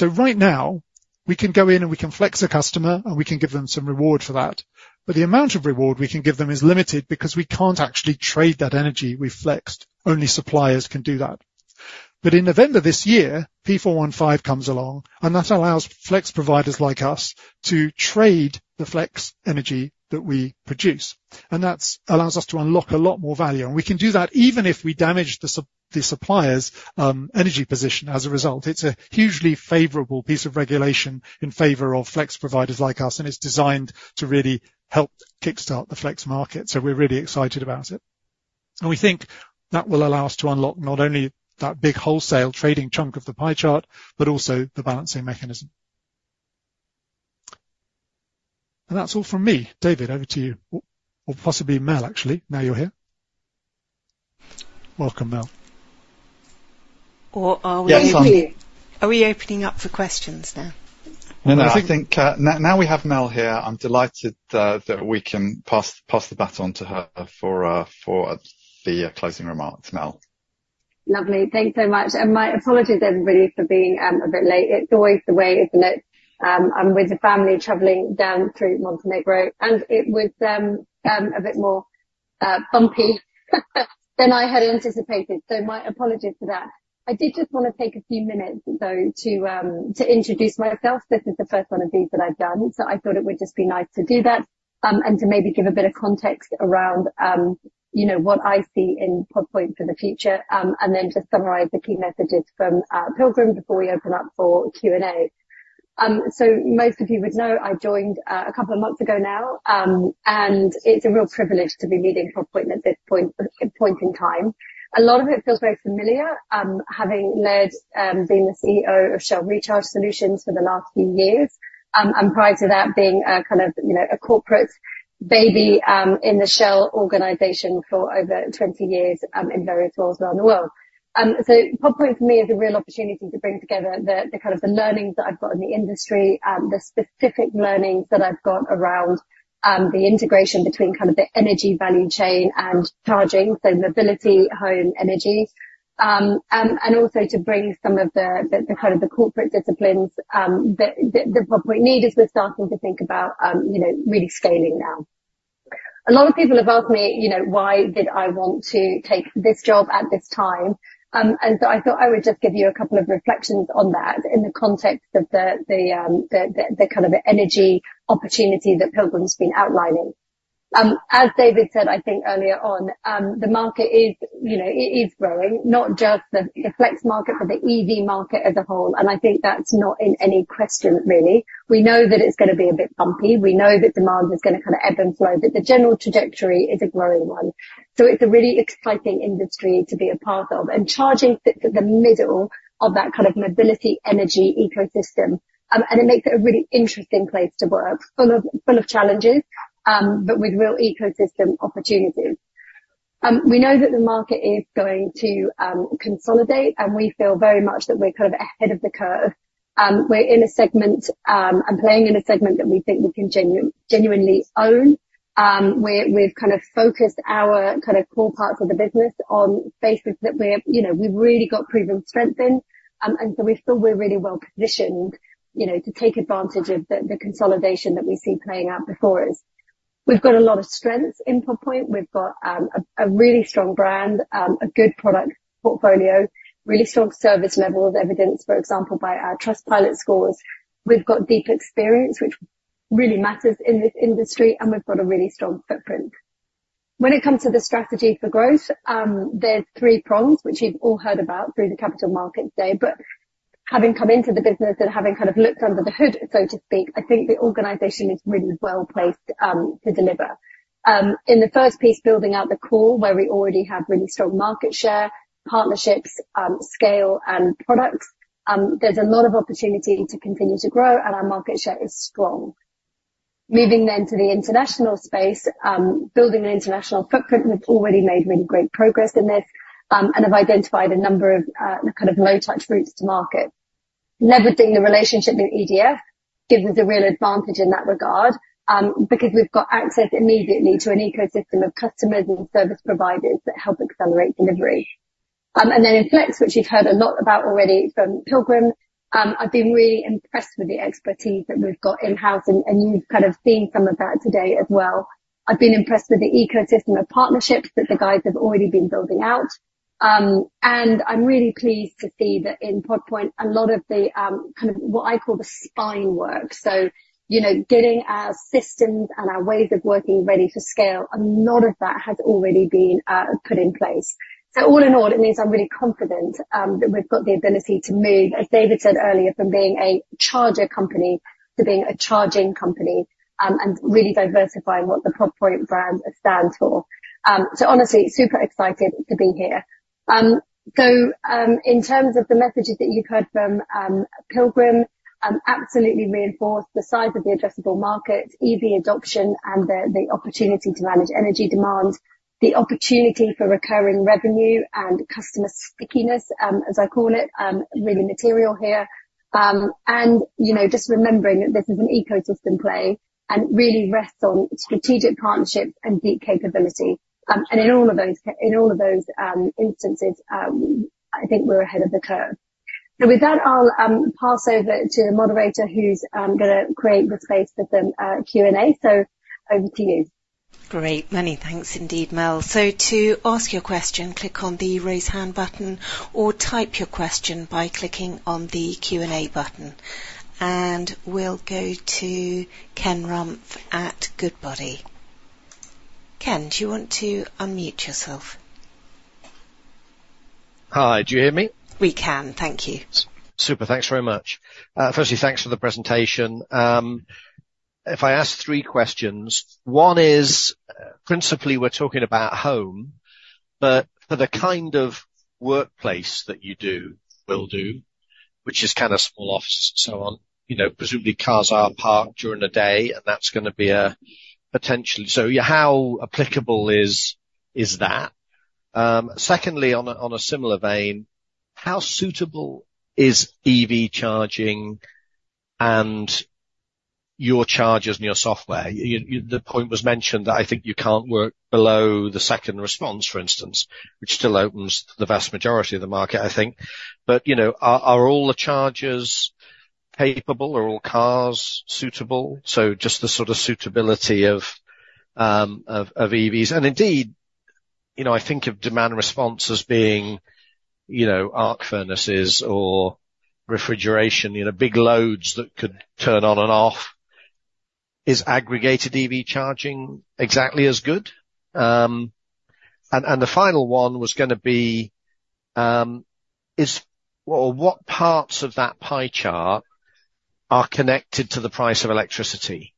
Right now, we can go in, and we can flex a customer, and we can give them some reward for that. But the amount of reward we can give them is limited because we can't actually trade that energy we've flexed. Only suppliers can do that. But in November this year, P415 comes along, and that allows flex providers like us to trade the flex energy that we produce, and that's allows us to unlock a lot more value. We can do that even if we damage the sup- the supplier's energy position as a result. It's a hugely favorable piece of regulation in favor of flex providers like us, and it's designed to really help kickstart the flex market. So we're really excited about it. And we think that will allow us to unlock not only that big wholesale trading chunk of the pie chart, but also the balancing mechanism. And that's all from me. David, over to you or possibly Mel, actually, now you're here. Welcome, Mel. Or are we- Yes. Are we opening up for questions now? No, I think, now we have Mel here, I'm delighted, that we can pass, pass the baton to her for, for the, closing remarks. Mel? Lovely. Thanks so much, and my apologies, everybody, for being a bit late. It's always the way, isn't it? I'm with the family traveling down through Montenegro, and it was a bit more bumpy than I had anticipated, so my apologies for that. I did just want to take a few minutes, though, to introduce myself. This is the first one of these that I've done, so I thought it would just be nice to do that, and to maybe give a bit of context around, you know, what I see in Pod Point for the future, and then just summarize the key messages from Pilgrim before we open up for Q&A. So most of you would know, I joined a couple of months ago now, and it's a real privilege to be leading Pod Point at this point in time. A lot of it feels very familiar, having led being the CEO of Shell Recharge Solutions for the last few years, and prior to that, being a kind of, you know, a corporate baby in the Shell organization for over 20 years in various roles around the world. So Pod Point, for me, is a real opportunity to bring together the kind of the learnings that I've got in the industry, the specific learnings that I've got around the integration between kind of the energy value chain and charging, so mobility, home, energy. And also to bring some of the kind of corporate disciplines that Pod Point need as we're starting to think about, you know, really scaling now. A lot of people have asked me, you know, why did I want to take this job at this time? So I thought I would just give you a couple of reflections on that in the context of the kind of energy opportunity that Pilgrim's been outlining. As David said, I think earlier on, the market is, you know, it is growing, not just the flex market, but the EV market as a whole, and I think that's not in any question, really. We know that it's gonna be a bit bumpy. We know that demand is gonna kind of ebb and flow, but the general trajectory is a growing one. So it's a really exciting industry to be a part of, and charging sits at the middle of that kind of mobility, energy ecosystem. And it makes it a really interesting place to work, full of challenges, but with real ecosystem opportunities. We know that the market is going to consolidate, and we feel very much that we're kind of ahead of the curve. We're in a segment, and playing in a segment that we think we can genuinely own. We've kind of focused our kind of core parts of the business on spaces that we're, you know, we've really got proven strength in, and so we feel we're really well positioned, you know, to take advantage of the consolidation that we see playing out before us. We've got a lot of strengths in Pod Point. We've got a really strong brand, a good product portfolio, really strong service levels, evidenced, for example, by our Trustpilot scores. We've got deep experience, which really matters in this industry, and we've got a really strong footprint. When it comes to the strategy for growth, there's three prongs, which you've all heard about through the Capital Markets Day. But having come into the business and having kind of looked under the hood, so to speak, I think the organization is really well-placed to deliver. In the first piece, building out the core, where we already have really strong market share, partnerships, scale and products, there's a lot of opportunity to continue to grow, and our market share is strong. Moving then to the international space, building an international footprint, and we've already made really great progress in this, and have identified a number of kind of low touch routes to market. Leveraging the relationship with EDF gives us a real advantage in that regard, because we've got access immediately to an ecosystem of customers and service providers that help accelerate delivery. And then in Flex, which you've heard a lot about already from Pilgrim, I've been really impressed with the expertise that we've got in-house, and, and you've kind of seen some of that today as well. I've been impressed with the ecosystem of partnerships that the guys have already been building out. And I'm really pleased to see that in Pod Point, a lot of the kind of what I call the spine work, so you know, getting our systems and our ways of working ready for scale, a lot of that has already been put in place. So all in all, it means I'm really confident that we've got the ability to move, as David said earlier, from being a charger company to being a charging company, and really diversifying what the Pod Point brand stands for. So honestly, super excited to be here. So, in terms of the messages that you've heard from Pilgrim, absolutely reinforce the size of the addressable market, EV adoption, and the opportunity to manage energy demand, the opportunity for recurring revenue and customer stickiness, as I call it, really material here. And, you know, just remembering that this is an ecosystem play, and it really rests on strategic partnerships and deep capability. And in all of those instances, I think we're ahead of the curve. So with that, I'll pass over to a moderator who's gonna create the space for the Q&A. So over to you. Great. Many thanks indeed, Mel. So to ask your question, click on the Raise Hand button, or type your question by clicking on the Q&A button. And we'll go to Ken Rumph at Goodbody. Ken, do you want to unmute yourself? Hi, do you hear me? We can. Thank you. Super. Thanks very much. Firstly, thanks for the presentation. If I ask three questions, one is, principally, we're talking about home, but for the kind of workplace that you do—will do, which is kind of small office, so on, you know, presumably cars are parked during the day, and that's gonna be a potentially... So, how applicable is that? Secondly, on a similar vein, how suitable is EV charging and your chargers and your software? The point was mentioned that I think you can't work below the second response, for instance, which still opens the vast majority of the market, I think. But, you know, are all the chargers capable? Are all cars suitable? So just the sort of suitability of EVs. Indeed, you know, I think of demand response as being, you know, arc furnaces or refrigeration, you know, big loads that could turn on and off. Is aggregated EV charging exactly as good? The final one was gonna be, well, what parts of that pie chart are connected to the price of electricity?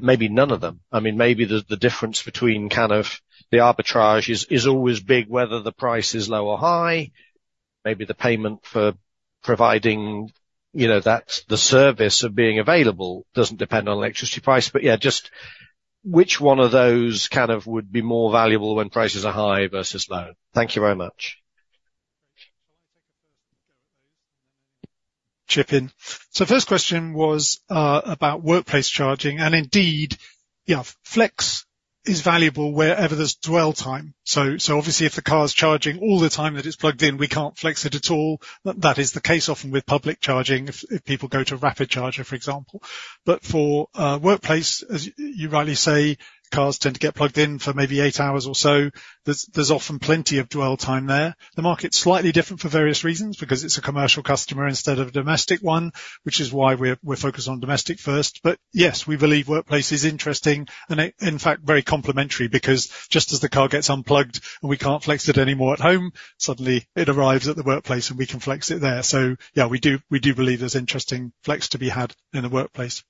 Maybe none of them. I mean, maybe the difference between kind of the arbitrage is always big, whether the price is low or high. Maybe the payment for providing, you know, that's the service of being available doesn't depend on electricity price, but yeah, just which one of those kind of would be more valuable when prices are high versus low? Thank you very much. Chime in. So first question was about workplace charging, and indeed, yeah, flex is valuable wherever there's dwell time. So obviously, if the car is charging all the time that it's plugged in, we can't flex it at all. That is the case often with public charging, if people go to a rapid charger, for example. But for workplace, as you rightly say, cars tend to get plugged in for maybe eight hours or so. There's often plenty of dwell time there. The market's slightly different for various reasons, because it's a commercial customer instead of a domestic one, which is why we're focused on domestic first. But yes, we believe workplace is interesting, and it, in fact, very complementary, because just as the car gets unplugged and we can't flex it anymore at home, suddenly it arrives at the workplace, and we can flex it there. So yeah, we do, we do believe there's interesting flex to be had in the workplace.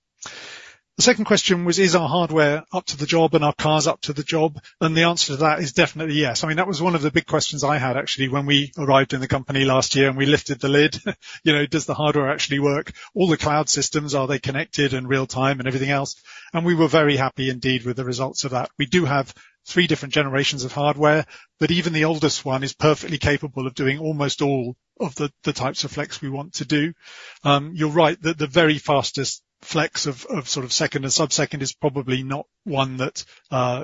The second question was: Is our hardware up to the job and our cars up to the job? And the answer to that is definitely yes. I mean, that was one of the big questions I had, actually, when we arrived in the company last year, and we lifted the lid. You know, does the hardware actually work? All the cloud systems, are they connected in real time, and everything else? And we were very happy indeed with the results of that. We do have three different generations of hardware, but even the oldest one is perfectly capable of doing almost all of the types of flex we want to do. You're right, the very fastest flex of sort of second and subsecond is probably not one that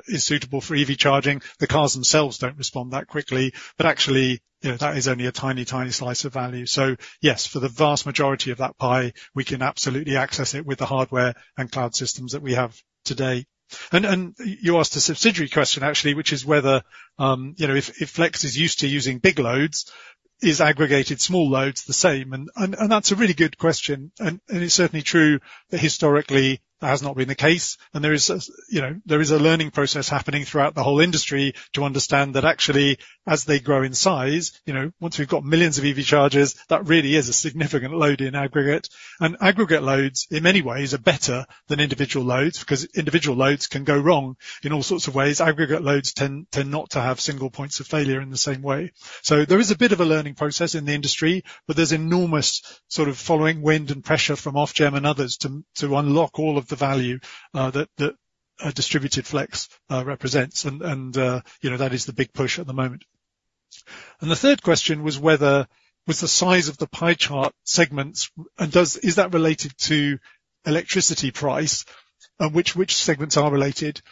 is suitable for EV charging. The cars themselves don't respond that quickly, but actually, you know, that is only a tiny, tiny slice of value. So yes, for the vast majority of that pie, we can absolutely access it with the hardware and cloud systems that we have today. And you asked a subsidiary question, actually, which is whether, you know, if Flex is used to using big loads, is aggregated small loads the same? And that's a really good question, and it's certainly true that historically, that has not been the case, and there is a, you know, there is a learning process happening throughout the whole industry to understand that actually, as they grow in size, you know, once we've got millions of EV chargers, that really is a significant load in aggregate. And aggregate loads, in many ways, are better than individual loads, because individual loads can go wrong in all sorts of ways. Aggregate loads tend not to have single points of failure in the same way. So there is a bit of a learning process in the industry, but there's enormous sort of following wind and pressure from Ofgem and others to unlock all of the value, that... Distributed flex represents, and you know, that is the big push at the moment. The third question was whether with the size of the pie chart segments, is that related to electricity price, and which segments are related?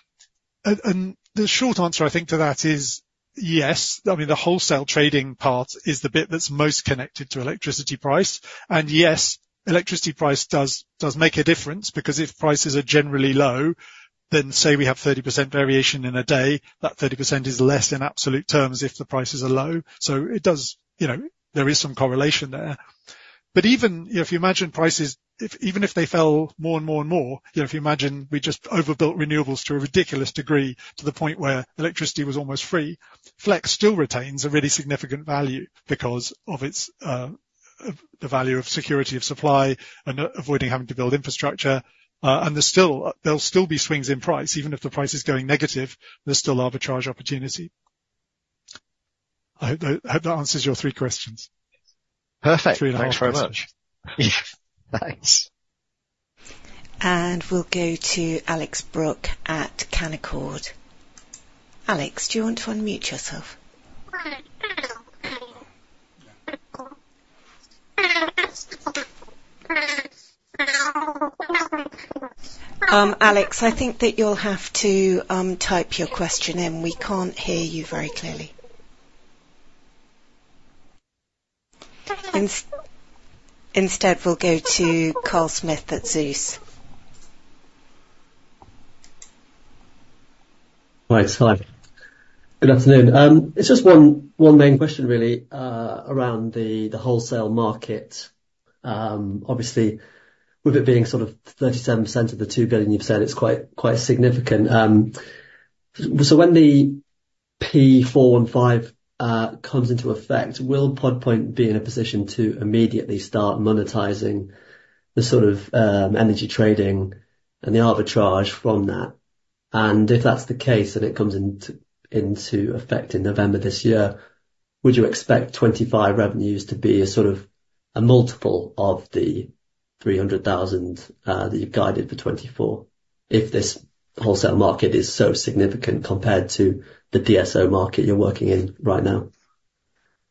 The short answer, I think, to that is yes. I mean, the wholesale trading part is the bit that's most connected to electricity price. Yes, electricity price does make a difference, because if prices are generally low, then say we have 30% variation in a day, that 30% is less in absolute terms if the prices are low. So it does. You know, there is some correlation there. But even, you know, if you imagine prices, even if they fell more and more and more, you know, if you imagine we just overbuilt renewables to a ridiculous degree, to the point where electricity was almost free, flex still retains a really significant value because of its, of the value of security of supply and avoiding having to build infrastructure. And there's still, there'll still be swings in price. Even if the price is going negative, there's still arbitrage opportunity. I hope that, I hope that answers your three questions. Perfect. Three questions. Thanks very much. Thanks. And we'll go to Alex Brooks at Canaccord. Alex, do you want to unmute yourself? Alex, I think that you'll have to type your question in. We can't hear you very clearly. Instead, we'll go to Carl Smith at Zeus. Right. Hi, good afternoon. It's just one main question really, around the wholesale market. Obviously, with it being sort of 37% of the 2 billion you've said, it's quite significant. So when the P415 comes into effect, will Pod Point be in a position to immediately start monetizing the sort of energy trading and the arbitrage from that? And if that's the case, and it comes into effect in November this year, would you expect 2025 revenues to be a sort of a multiple of the 300,000 that you've guided for 2024, if this wholesale market is so significant compared to the DSO market you're working in right now?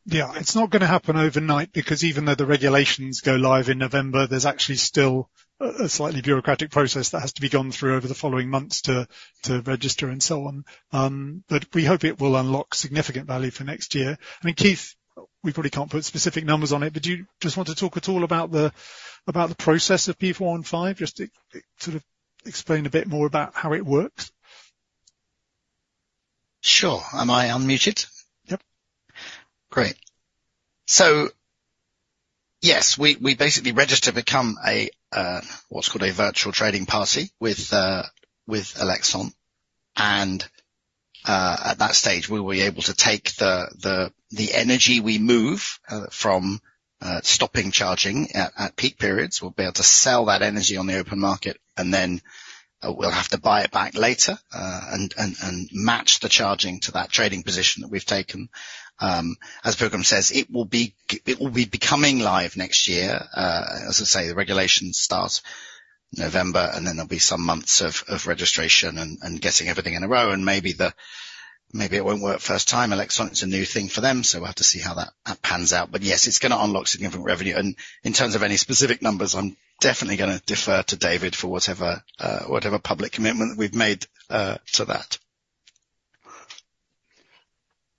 Yeah. It's not gonna happen overnight, because even though the regulations go live in November, there's actually still a slightly bureaucratic process that has to be gone through over the following months to register, and so on. But we hope it will unlock significant value for next year. I mean, Keith, we probably can't put specific numbers on it, but do you just want to talk at all about the process of P415, just to sort of explain a bit more about how it works? Sure. Am I unmuted? Yep. Great. So yes, we basically register to become what's called a virtual trading party with Elexon. And at that stage, we will be able to take the energy we move from stopping charging at peak periods. We'll be able to sell that energy on the open market, and then we'll have to buy it back later and match the charging to that trading position that we've taken. As Pilgrim says, it will be becoming live next year. As I say, the regulations start November, and then there'll be some months of registration and getting everything in a row, and maybe it won't work first time. Elexon, it's a new thing for them, so we'll have to see how that pans out. But yes, it's gonna unlock significant revenue. And in terms of any specific numbers, I'm definitely gonna defer to David for whatever, whatever public commitment we've made, to that.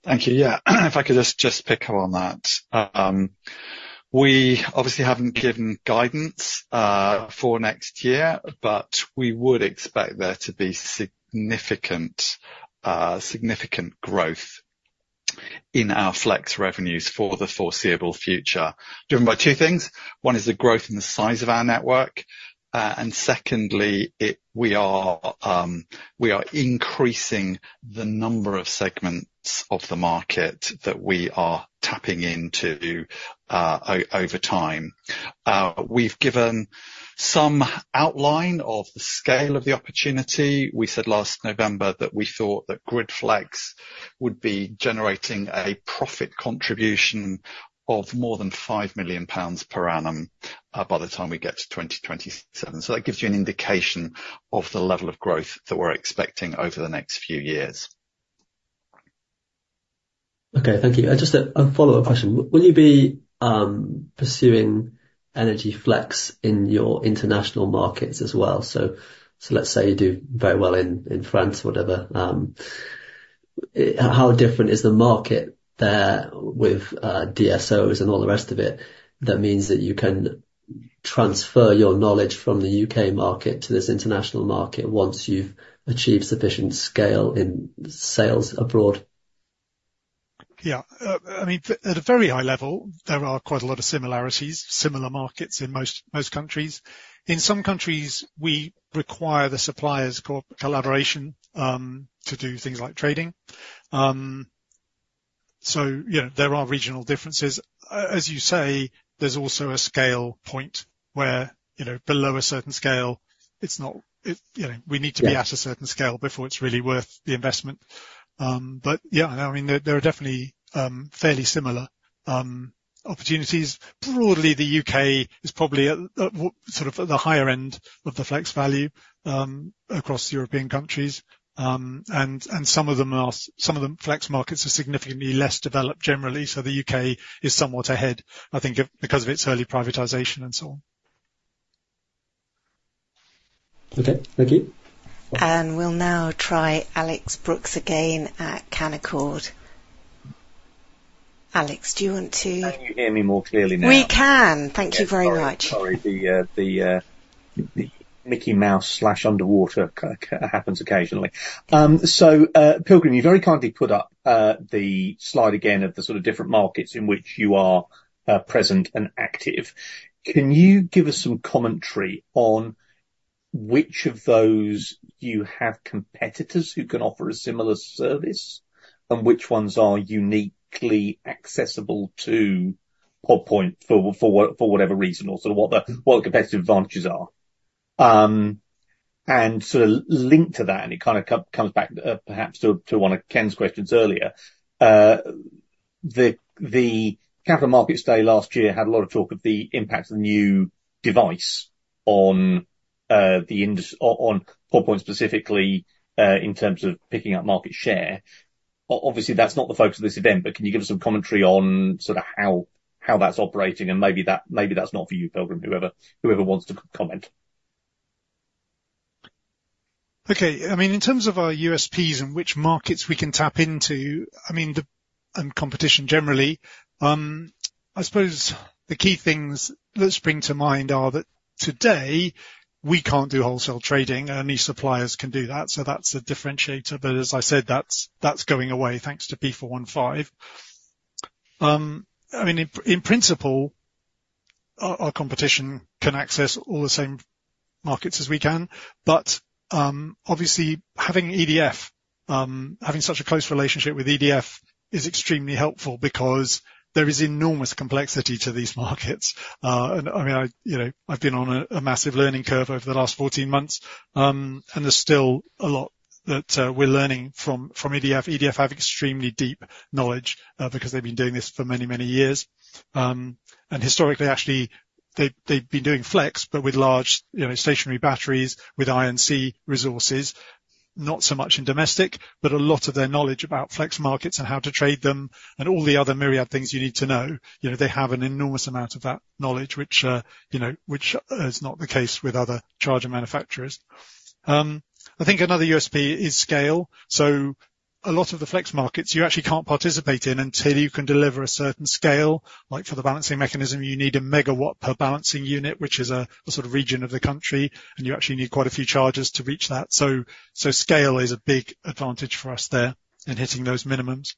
Thank you. Yeah. If I could just pick up on that. We obviously haven't given guidance for next year, but we would expect there to be significant, significant growth in our flex revenues for the foreseeable future, driven by two things. One is the growth in the size of our network, and secondly, we are increasing the number of segments of the market that we are tapping into, over time. We've given some outline of the scale of the opportunity. We said last November that we thought that grid flex would be generating a profit contribution of more than 5 million pounds per annum, by the time we get to 2027. So that gives you an indication of the level of growth that we're expecting over the next few years. Okay, thank you. Just a follow-up question. Will you be pursuing Energy Flex in your international markets as well? So, let's say you do very well in France, whatever, how different is the market there with DSOs and all the rest of it? That means that you can transfer your knowledge from the U.K. market to this international market, once you've achieved sufficient scale in sales abroad. Yeah. I mean, at a very high level, there are quite a lot of similarities, similar markets in most, most countries. In some countries, we require the suppliers' collaboration, to do things like trading. So, you know, there are regional differences. As you say, there's also a scale point where, you know, below a certain scale, it's not... It, you know, we need- Yeah... to be at a certain scale before it's really worth the investment. But yeah, I mean, there, there are definitely fairly similar opportunities. Broadly, the U.K. is probably sort of at the higher end of the flex value across European countries. And some of them, flex markets are significantly less developed generally, so the U.K. is somewhat ahead, I think, of-- because of its early privatization and so on. Okay, thank you. We'll now try Alex Brooks again at Canaccord. Alex, do you want to- Can you hear me more clearly now? We can. Thank you very much. Sorry, sorry. The Mickey Mouse underwater kind of happens occasionally. So, Pilgrim, you very kindly put up the slide again of the sort of different markets in which you are present and active. Can you give us some commentary on which of those you have competitors who can offer a similar service? And which ones are uniquely accessible to Pod Point for whatever reason, or sort of what the competitive advantages are? And so linked to that, and it kind of comes back, perhaps to one of Ken's questions earlier, the capital markets day last year had a lot of talk of the impact of the new device on the industry on Pod Point specifically, in terms of picking up market share. Obviously, that's not the focus of this event, but can you give us some commentary on sort of how that's operating, and maybe that, maybe that's not for you, Pilgrim. Whoever wants to comment. Okay. I mean, in terms of our USPs and which markets we can tap into, I mean, and competition generally, I suppose the key things that spring to mind are that today, we can't do wholesale trading, only suppliers can do that, so that's a differentiator. But as I said, that's going away, thanks to P415. I mean, in principle, our competition can access all the same markets as we can, but, obviously, having EDF, having such a close relationship with EDF is extremely helpful because there is enormous complexity to these markets. And I mean, you know, I've been on a massive learning curve over the last 14 months, and there's still a lot that we're learning from EDF. EDF have extremely deep knowledge, because they've been doing this for many, many years. And historically, actually, they've, they've been doing flex, but with large, you know, stationary batteries, with I&C resources, not so much in domestic, but a lot of their knowledge about flex markets and how to trade them and all the other myriad things you need to know, you know, they have an enormous amount of that knowledge, which, you know, which, is not the case with other charger manufacturers. I think another USP is scale. So a lot of the flex markets, you actually can't participate in until you can deliver a certain scale. Like for the balancing mechanism, you need a megawatt per balancing unit, which is a sort of region of the country, and you actually need quite a few chargers to reach that. Scale is a big advantage for us there in hitting those minimums.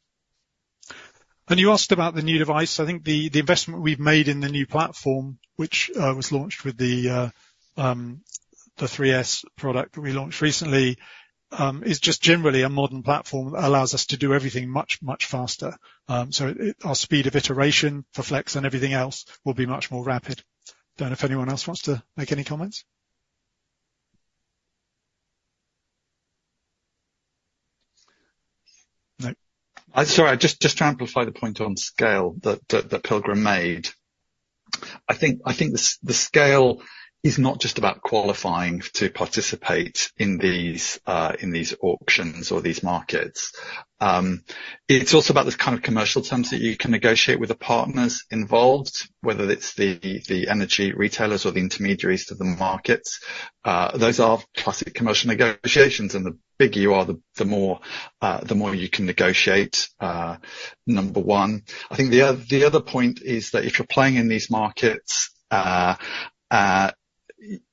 You asked about the new device. I think the investment we've made in the new platform, which was launched with the 3S product that we launched recently, is just generally a modern platform that allows us to do everything much, much faster. Our speed of iteration for flex and everything else will be much more rapid. Don't know if anyone else wants to make any comments? No. Sorry, just, just to amplify the point on scale that, that, that Pilgrim made. I think, I think the scale is not just about qualifying to participate in these, in these auctions or these markets. It's also about the kind of commercial terms that you can negotiate with the partners involved, whether it's the, the, the energy retailers or the intermediaries to the markets. Those are classic commercial negotiations, and the bigger you are, the, the more, the more you can negotiate, number one. I think the other, the other point is that if you're playing in these markets,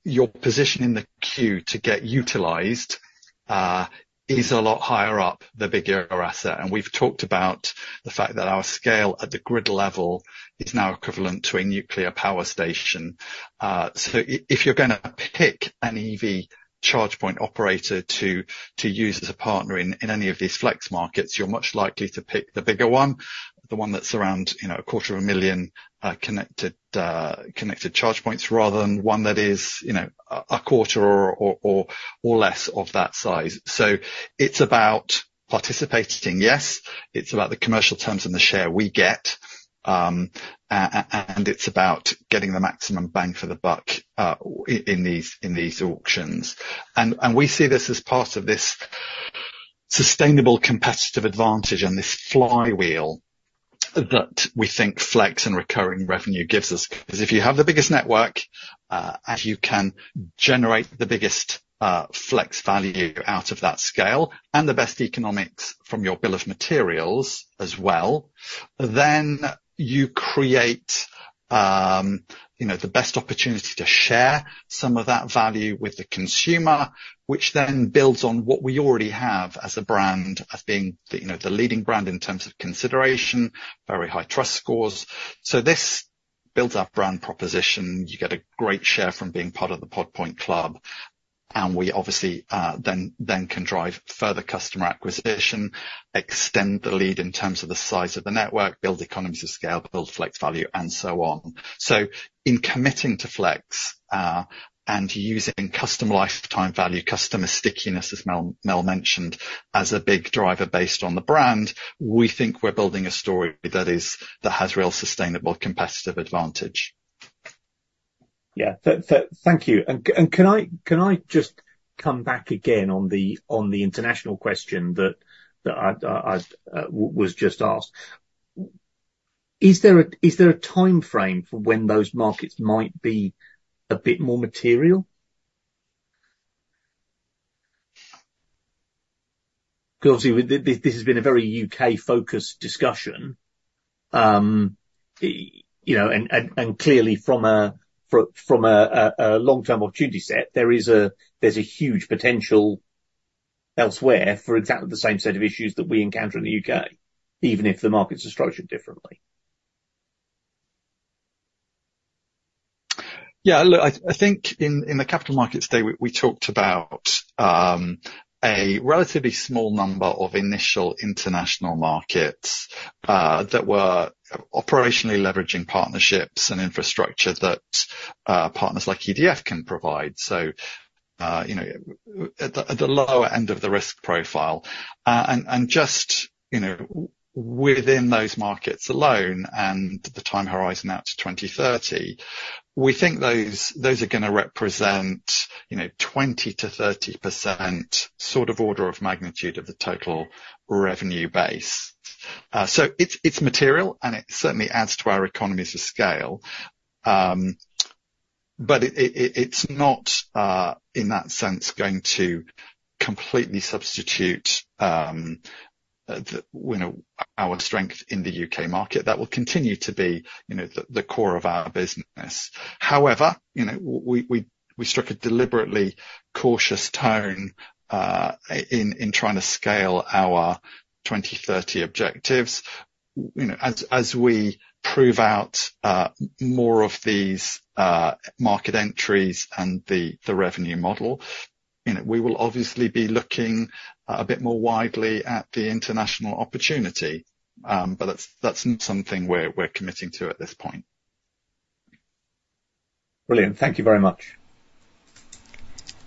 your position in the queue to get utilized, is a lot higher up, the bigger your asset. And we've talked about the fact that our scale at the grid level is now equivalent to a nuclear power station. So if you're gonna pick an EV charge point operator to use as a partner in any of these flex markets, you're much likely to pick the bigger one, the one that's around, you know, 250,000 connected charge points, rather than one that is, you know, a quarter or less of that size. So it's about participating, yes, it's about the commercial terms and the share we get, and it's about getting the maximum bang for the buck in these auctions. And we see this as part of this sustainable competitive advantage and this flywheel that we think flex and recurring revenue gives us. 'Cause if you have the biggest network, and you can generate the biggest flex value out of that scale, and the best economics from your bill of materials as well, then you create, you know, the best opportunity to share some of that value with the consumer, which then builds on what we already have as a brand, as being the, you know, the leading brand in terms of consideration, very high trust scores. So this builds our brand proposition, you get a great share from being part of the Pod Point club, and we obviously, then, then can drive further customer acquisition, extend the lead in terms of the size of the network, build economies of scale, build flex value, and so on. In committing to flex and using customer lifetime value, customer stickiness, as Mel mentioned, as a big driver based on the brand, we think we're building a story that has real sustainable competitive advantage. Yeah. Thank you. Can I just come back again on the international question that I was just asked? Is there a timeframe for when those markets might be a bit more material? Because obviously, this has been a very U.K.-focused discussion. You know, and clearly, from a long-term opportunity set, there's a huge potential elsewhere for exactly the same set of issues that we encounter in the U.K., even if the markets are structured differently. Yeah, look, I think in the capital markets today, we talked about a relatively small number of initial international markets that were operationally leveraging partnerships and infrastructure that partners like EDF can provide. So, you know, at the lower end of the risk profile, and just, you know, within those markets alone, and the time horizon out to 2030, we think those are gonna represent, you know, 20%-30% sort of order of magnitude of the total revenue base. So it's material, and it certainly adds to our economies of scale. But it, it's not, in that sense, going to completely substitute, you know, our strength in the U.K. market. That will continue to be, you know, the core of our business. However, you know, we struck a deliberately cautious tone in trying to scale our 2030 objectives. You know, as we prove out more of these market entries and the revenue model, you know, we will obviously be looking a bit more widely at the international opportunity. But that's not something we're committing to at this point. Brilliant. Thank you very much.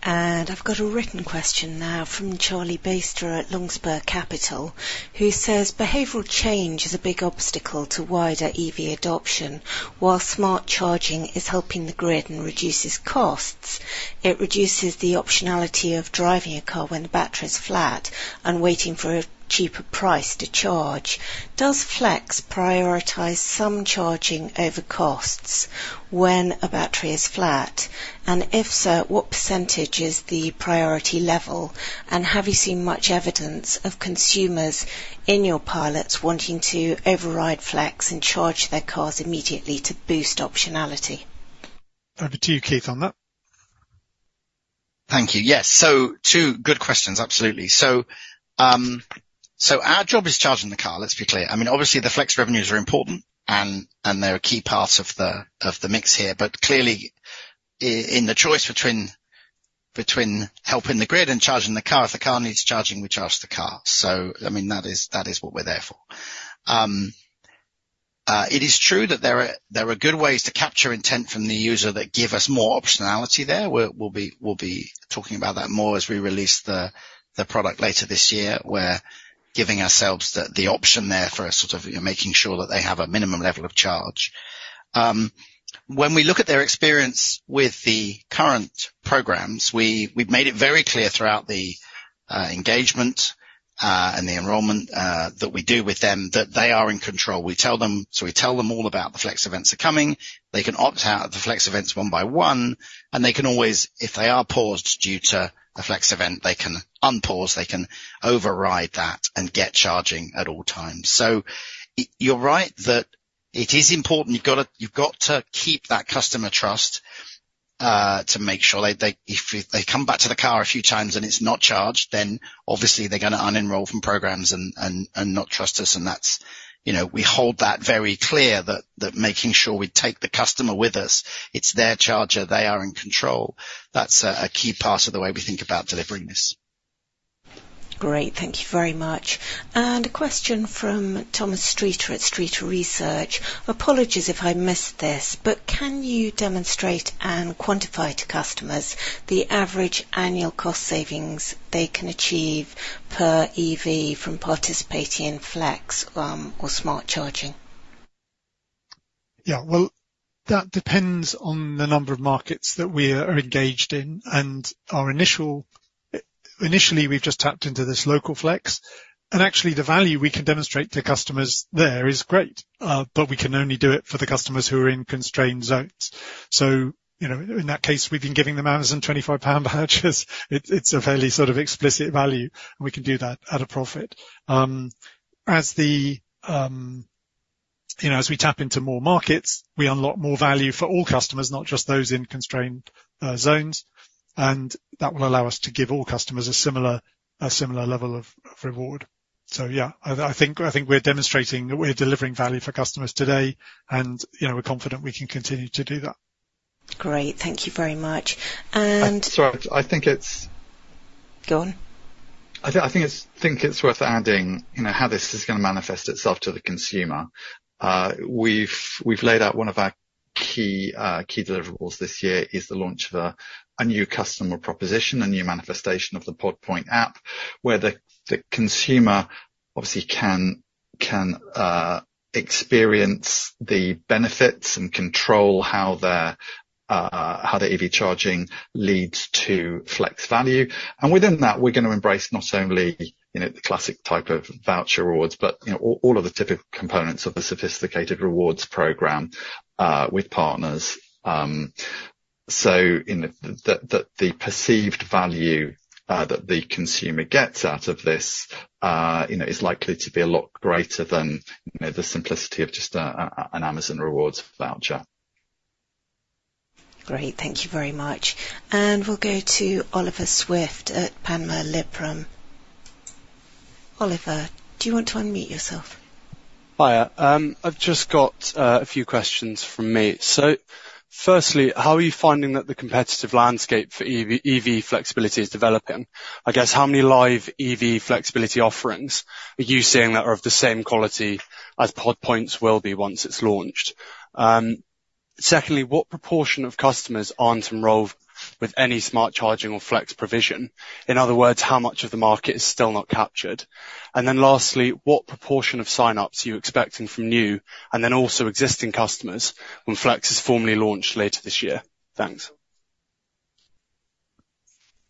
I've got a written question now from Charlie Baister at Longspur Capital, who says: Behavioral change is a big obstacle to wider EV adoption. While smart charging is helping the grid and reduces costs, it reduces the optionality of driving a car when the battery is flat and waiting for a cheaper price to charge. Does Flex prioritize some charging over costs when a battery is flat? And if so, what percentage is the priority level, and have you seen much evidence of consumers in your pilots wanting to override Flex and charge their cars immediately to boost optionality? Over to you, Keith, on that. Thank you. Yes, so two good questions, absolutely. So, our job is charging the car. Let's be clear. I mean, obviously, the Flex revenues are important, and they're a key part of the mix here, but clearly, in the choice between helping the grid and charging the car, if the car needs charging, we charge the car. So, I mean, that is what we're there for. It is true that there are good ways to capture intent from the user that give us more optionality there. We'll be talking about that more as we release the product later this year. We're giving ourselves the option there for a sort of, you know, making sure that they have a minimum level of charge. When we look at their experience with the current programs, we, we've made it very clear throughout the engagement and the enrollment that we do with them, that they are in control. We tell them... So we tell them all about the Flex events are coming. They can opt out of the Flex events one by one, and they can always, if they are paused due to a Flex event, they can unpause, they can override that and get charging at all times. So you're right, that it is important. You've gotta—you've got to keep that customer trust to make sure they, if they come back to the car a few times and it's not charged, then obviously they're gonna unenroll from programs and not trust us, and that's, you know, we hold that very clear, that making sure we take the customer with us. It's their charger. They are in control. That's a key part of the way we think about delivering this. Great. Thank you very much. A question from Thomas Streeter at Streeter Research. Apologies if I missed this, but can you demonstrate and quantify to customers the average annual cost savings they can achieve per EV from participating in Flex, or smart charging? Yeah. Well, that depends on the number of markets that we are engaged in, and initially, we've just tapped into this local flex, and actually, the value we can demonstrate to customers there is great. But we can only do it for the customers who are in constrained zones. So, you know, in that case, we've been giving them Amazon 25 pound vouchers. It's a fairly sort of explicit value, and we can do that at a profit. As you know, as we tap into more markets, we unlock more value for all customers, not just those in constrained zones, and that will allow us to give all customers a similar, a similar level of, of reward.... Yeah, I think we're demonstrating that we're delivering value for customers today, and, you know, we're confident we can continue to do that. Great. Thank you very much. And- I'm sorry. I think it's- Go on. I think it's worth adding, you know, how this is gonna manifest itself to the consumer. We've laid out one of our key deliverables this year is the launch of a new customer proposition, a new manifestation of the Pod Point app, where the consumer obviously can experience the benefits and control how their EV charging leads to flex value. And within that, we're gonna embrace not only, you know, the classic type of voucher rewards, but, you know, all of the typical components of the sophisticated rewards program with partners. So, you know, the perceived value that the consumer gets out of this, you know, is likely to be a lot greater than, you know, the simplicity of just an Amazon rewards voucher. Great. Thank you very much. And we'll go to Oliver Swift at Panmure Liberum. Oliver, do you want to unmute yourself? Hiya. I've just got a few questions from me. So firstly, how are you finding that the competitive landscape for EV, EV flexibility is developing? I guess, how many live EV flexibility offerings are you seeing that are of the same quality as Pod Point's will be once it's launched? Secondly, what proportion of customers aren't enrolled with any smart charging or flex provision? In other words, how much of the market is still not captured? And then lastly, what proportion of sign-ups are you expecting from new, and then also existing customers, when Flex is formally launched later this year? Thanks.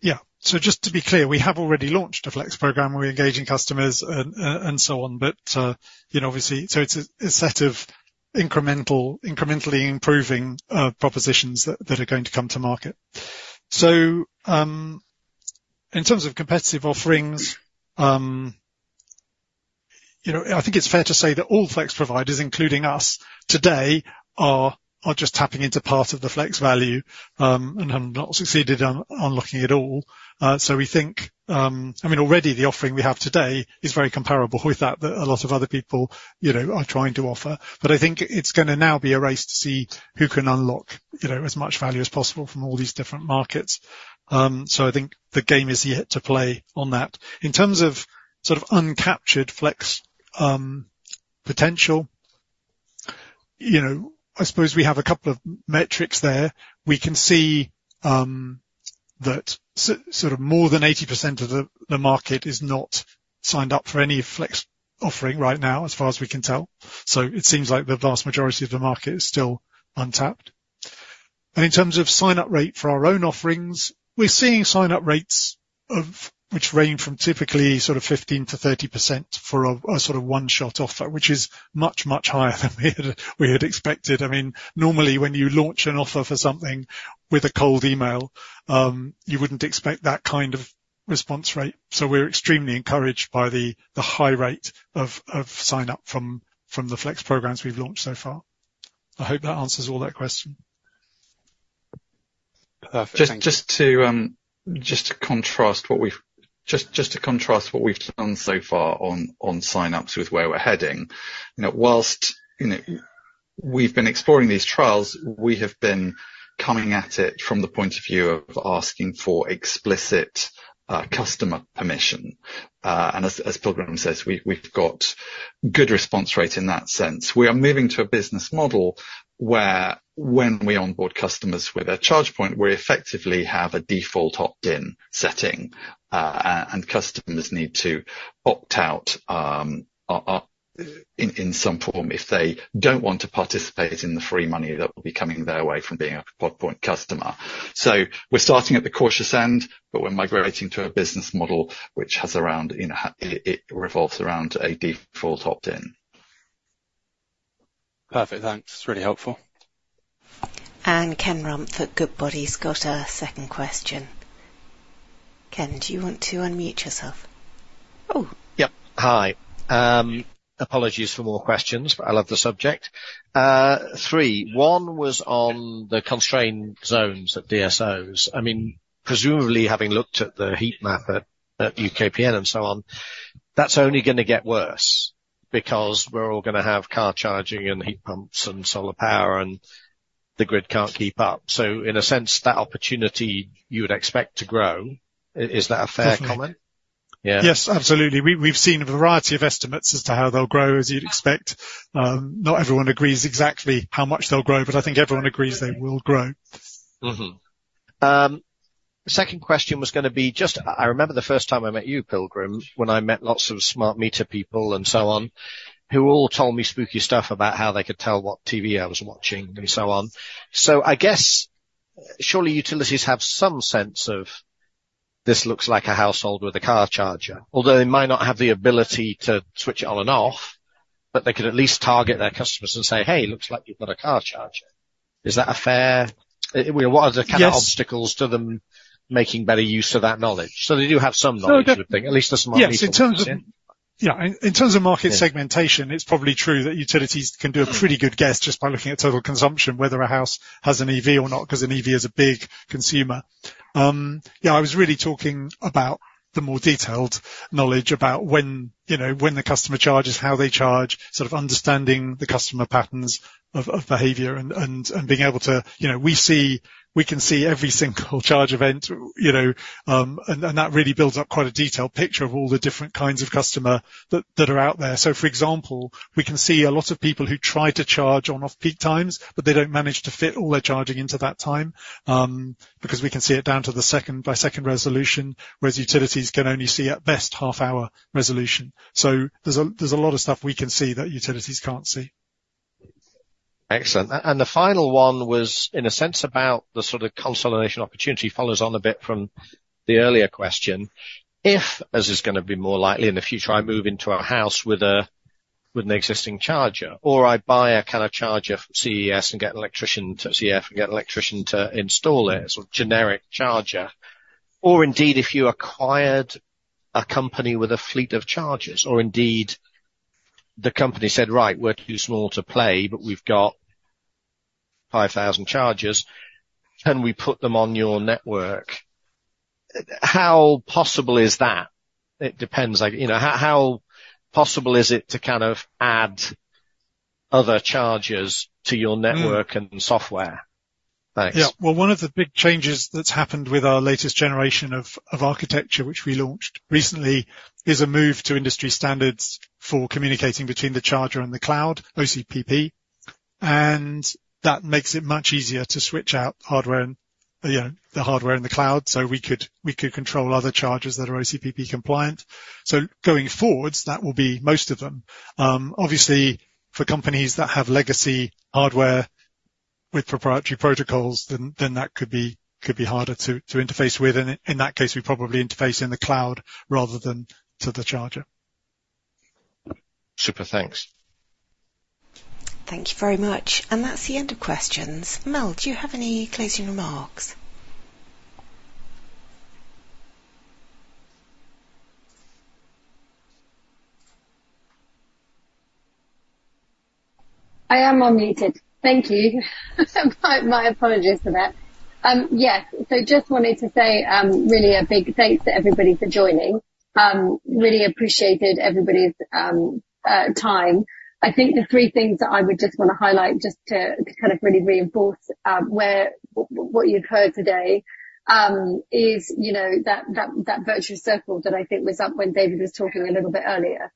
Yeah. So just to be clear, we have already launched a flex program, and we're engaging customers and so on. But you know, obviously, so it's a set of incremental, incrementally improving propositions that are going to come to market. So in terms of competitive offerings, you know, I think it's fair to say that all flex providers, including us, today, are just tapping into part of the flex value and have not succeeded on unlocking it all. So we think... I mean, already the offering we have today is very comparable with that a lot of other people, you know, are trying to offer. But I think it's gonna now be a race to see who can unlock, you know, as much value as possible from all these different markets. So I think the game is yet to play on that. In terms of sort of uncaptured flex, potential, you know, I suppose we have a couple of metrics there. We can see that sort of more than 80% of the market is not signed up for any flex offering right now, as far as we can tell. So it seems like the vast majority of the market is still untapped. And in terms of sign-up rate for our own offerings, we're seeing sign-up rates of, which range from typically sort of 15%-30% for a sort of one-shot offer, which is much, much higher than we had expected. I mean, normally, when you launch an offer for something with a cold email, you wouldn't expect that kind of response rate. So we're extremely encouraged by the high rate of sign-up from the flex programs we've launched so far. I hope that answers all that question. Perfect. Thank you. Just to contrast what we've done so far on sign-ups with where we're heading. You know, while, you know, we've been exploring these trials, we have been coming at it from the point of view of asking for explicit customer permission. And as Pilgrim says, we've got good response rate in that sense. We are moving to a business model where when we onboard customers with a charge point, we effectively have a default opt-in setting. And customers need to opt out in some form if they don't want to participate in the free money that will be coming their way from being a Pod Point customer. So we're starting at the cautious end, but we're migrating to a business model which has around, you know, it revolves around a default opt-in. Perfect, thanks. It's really helpful. Ken Rumph from Goodbody's got a second question. Ken, do you want to unmute yourself? Oh. Yep. Hi. Apologies for more questions, but I love the subject. Three, one was on the constrained zones at DSOs. I mean, presumably having looked at the heat map at UKPN and so on, that's only gonna get worse, because we're all gonna have car charging and heat pumps and solar power, and the grid can't keep up. So in a sense, that opportunity you would expect to grow. Is that a fair comment? Definitely. Yeah. Yes, absolutely. We've seen a variety of estimates as to how they'll grow, as you'd expect. Not everyone agrees exactly how much they'll grow, but I think everyone agrees they will grow. Mm-hmm. The second question was gonna be just... I remember the first time I met you, Pilgrim, when I met lots of smart meter people and so on, who all told me spooky stuff about how they could tell what TV I was watching and so on. So I guess, surely utilities have some sense of, "This looks like a household with a car charger." Although they might not have the ability to switch it on and off, but they could at least target their customers and say, "Hey, looks like you've got a car charger." Is that a fair... Well, what are the- Yes ...kind of obstacles to them making better use of that knowledge? So they do have some knowledge- No, the-... I would think, at least as to what people would see. Yes, in terms of... Yeah, in terms of market segmentation- Yeah... it's probably true that utilities can do a pretty good guess just by looking at total consumption, whether a house has an EV or not, 'cause an EV is a big consumer.... Yeah, I was really talking about the more detailed knowledge about when, you know, when the customer charges, how they charge, sort of understanding the customer patterns of behavior and being able to... You know, we can see every single charge event, you know, and that really builds up quite a detailed picture of all the different kinds of customer that are out there. So, for example, we can see a lot of people who try to charge on off-peak times, but they don't manage to fit all their charging into that time, because we can see it down to the second-by-second resolution, whereas utilities can only see, at best, half-hour resolution. So there's a lot of stuff we can see that utilities can't see. Excellent. And the final one was, in a sense, about the sort of consolidation opportunity. It follows on a bit from the earlier question. If, as is gonna be more likely in the future, I move into a house with a, with an existing charger, or I buy a kind of charger from CES and get an electrician to fit it, a sort of generic charger, or indeed, if you acquired a company with a fleet of chargers, or indeed, the company said, "Right, we're too small to play, but we've got 5,000 chargers, can we put them on your network?" How possible is that? It depends, like, you know. How, how possible is it to kind of add other chargers to your network? Mm. and software? Thanks. Yeah. Well, one of the big changes that's happened with our latest generation of architecture, which we launched recently, is a move to industry standards for communicating between the charger and the cloud, OCPP. And that makes it much easier to switch out hardware and, you know, the hardware in the cloud. So we could control other chargers that are OCPP compliant. So going forwards, that will be most of them. Obviously, for companies that have legacy hardware with proprietary protocols, then that could be harder to interface with. And in that case, we probably interface in the cloud rather than to the charger. Super. Thanks. Thank you very much. That's the end of questions. Mel, do you have any closing remarks? I am unmuted. Thank you. My apologies for that. Yes, so just wanted to say, really a big thanks to everybody for joining. Really appreciated everybody's time. I think the three things that I would just want to highlight, just to kind of really reinforce what you've heard today is, you know, that virtuous circle that I think was up when David was talking a little bit earlier.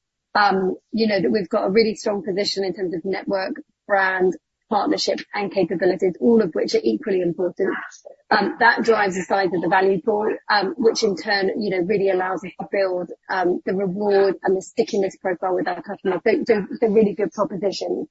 You know, that we've got a really strong position in terms of network, brand, partnership, and capabilities, all of which are equally important. That drives the size of the value pool, which in turn, you know, really allows us to build the reward and the stickiness profile with our customers. So it's a really good proposition.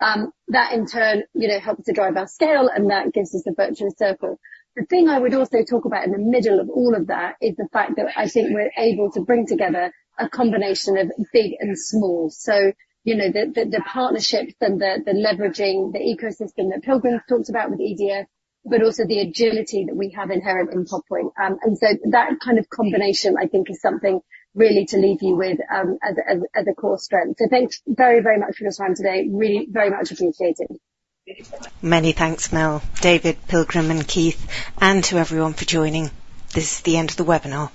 That in turn, you know, helps to drive our scale, and that gives us the virtuous circle. The thing I would also talk about in the middle of all of that is the fact that I think we're able to bring together a combination of big and small. So, you know, the partnerships and the leveraging, the ecosystem that Pilgrim talked about with EDF, but also the agility that we have inherent in [Toplink]. And so that kind of combination, I think, is something really to leave you with, as a core strength. So thanks very, very much for your time today. Really very much appreciated. Many thanks, Mel, David, Pilgrim, and Keith, and to everyone for joining. This is the end of the webinar.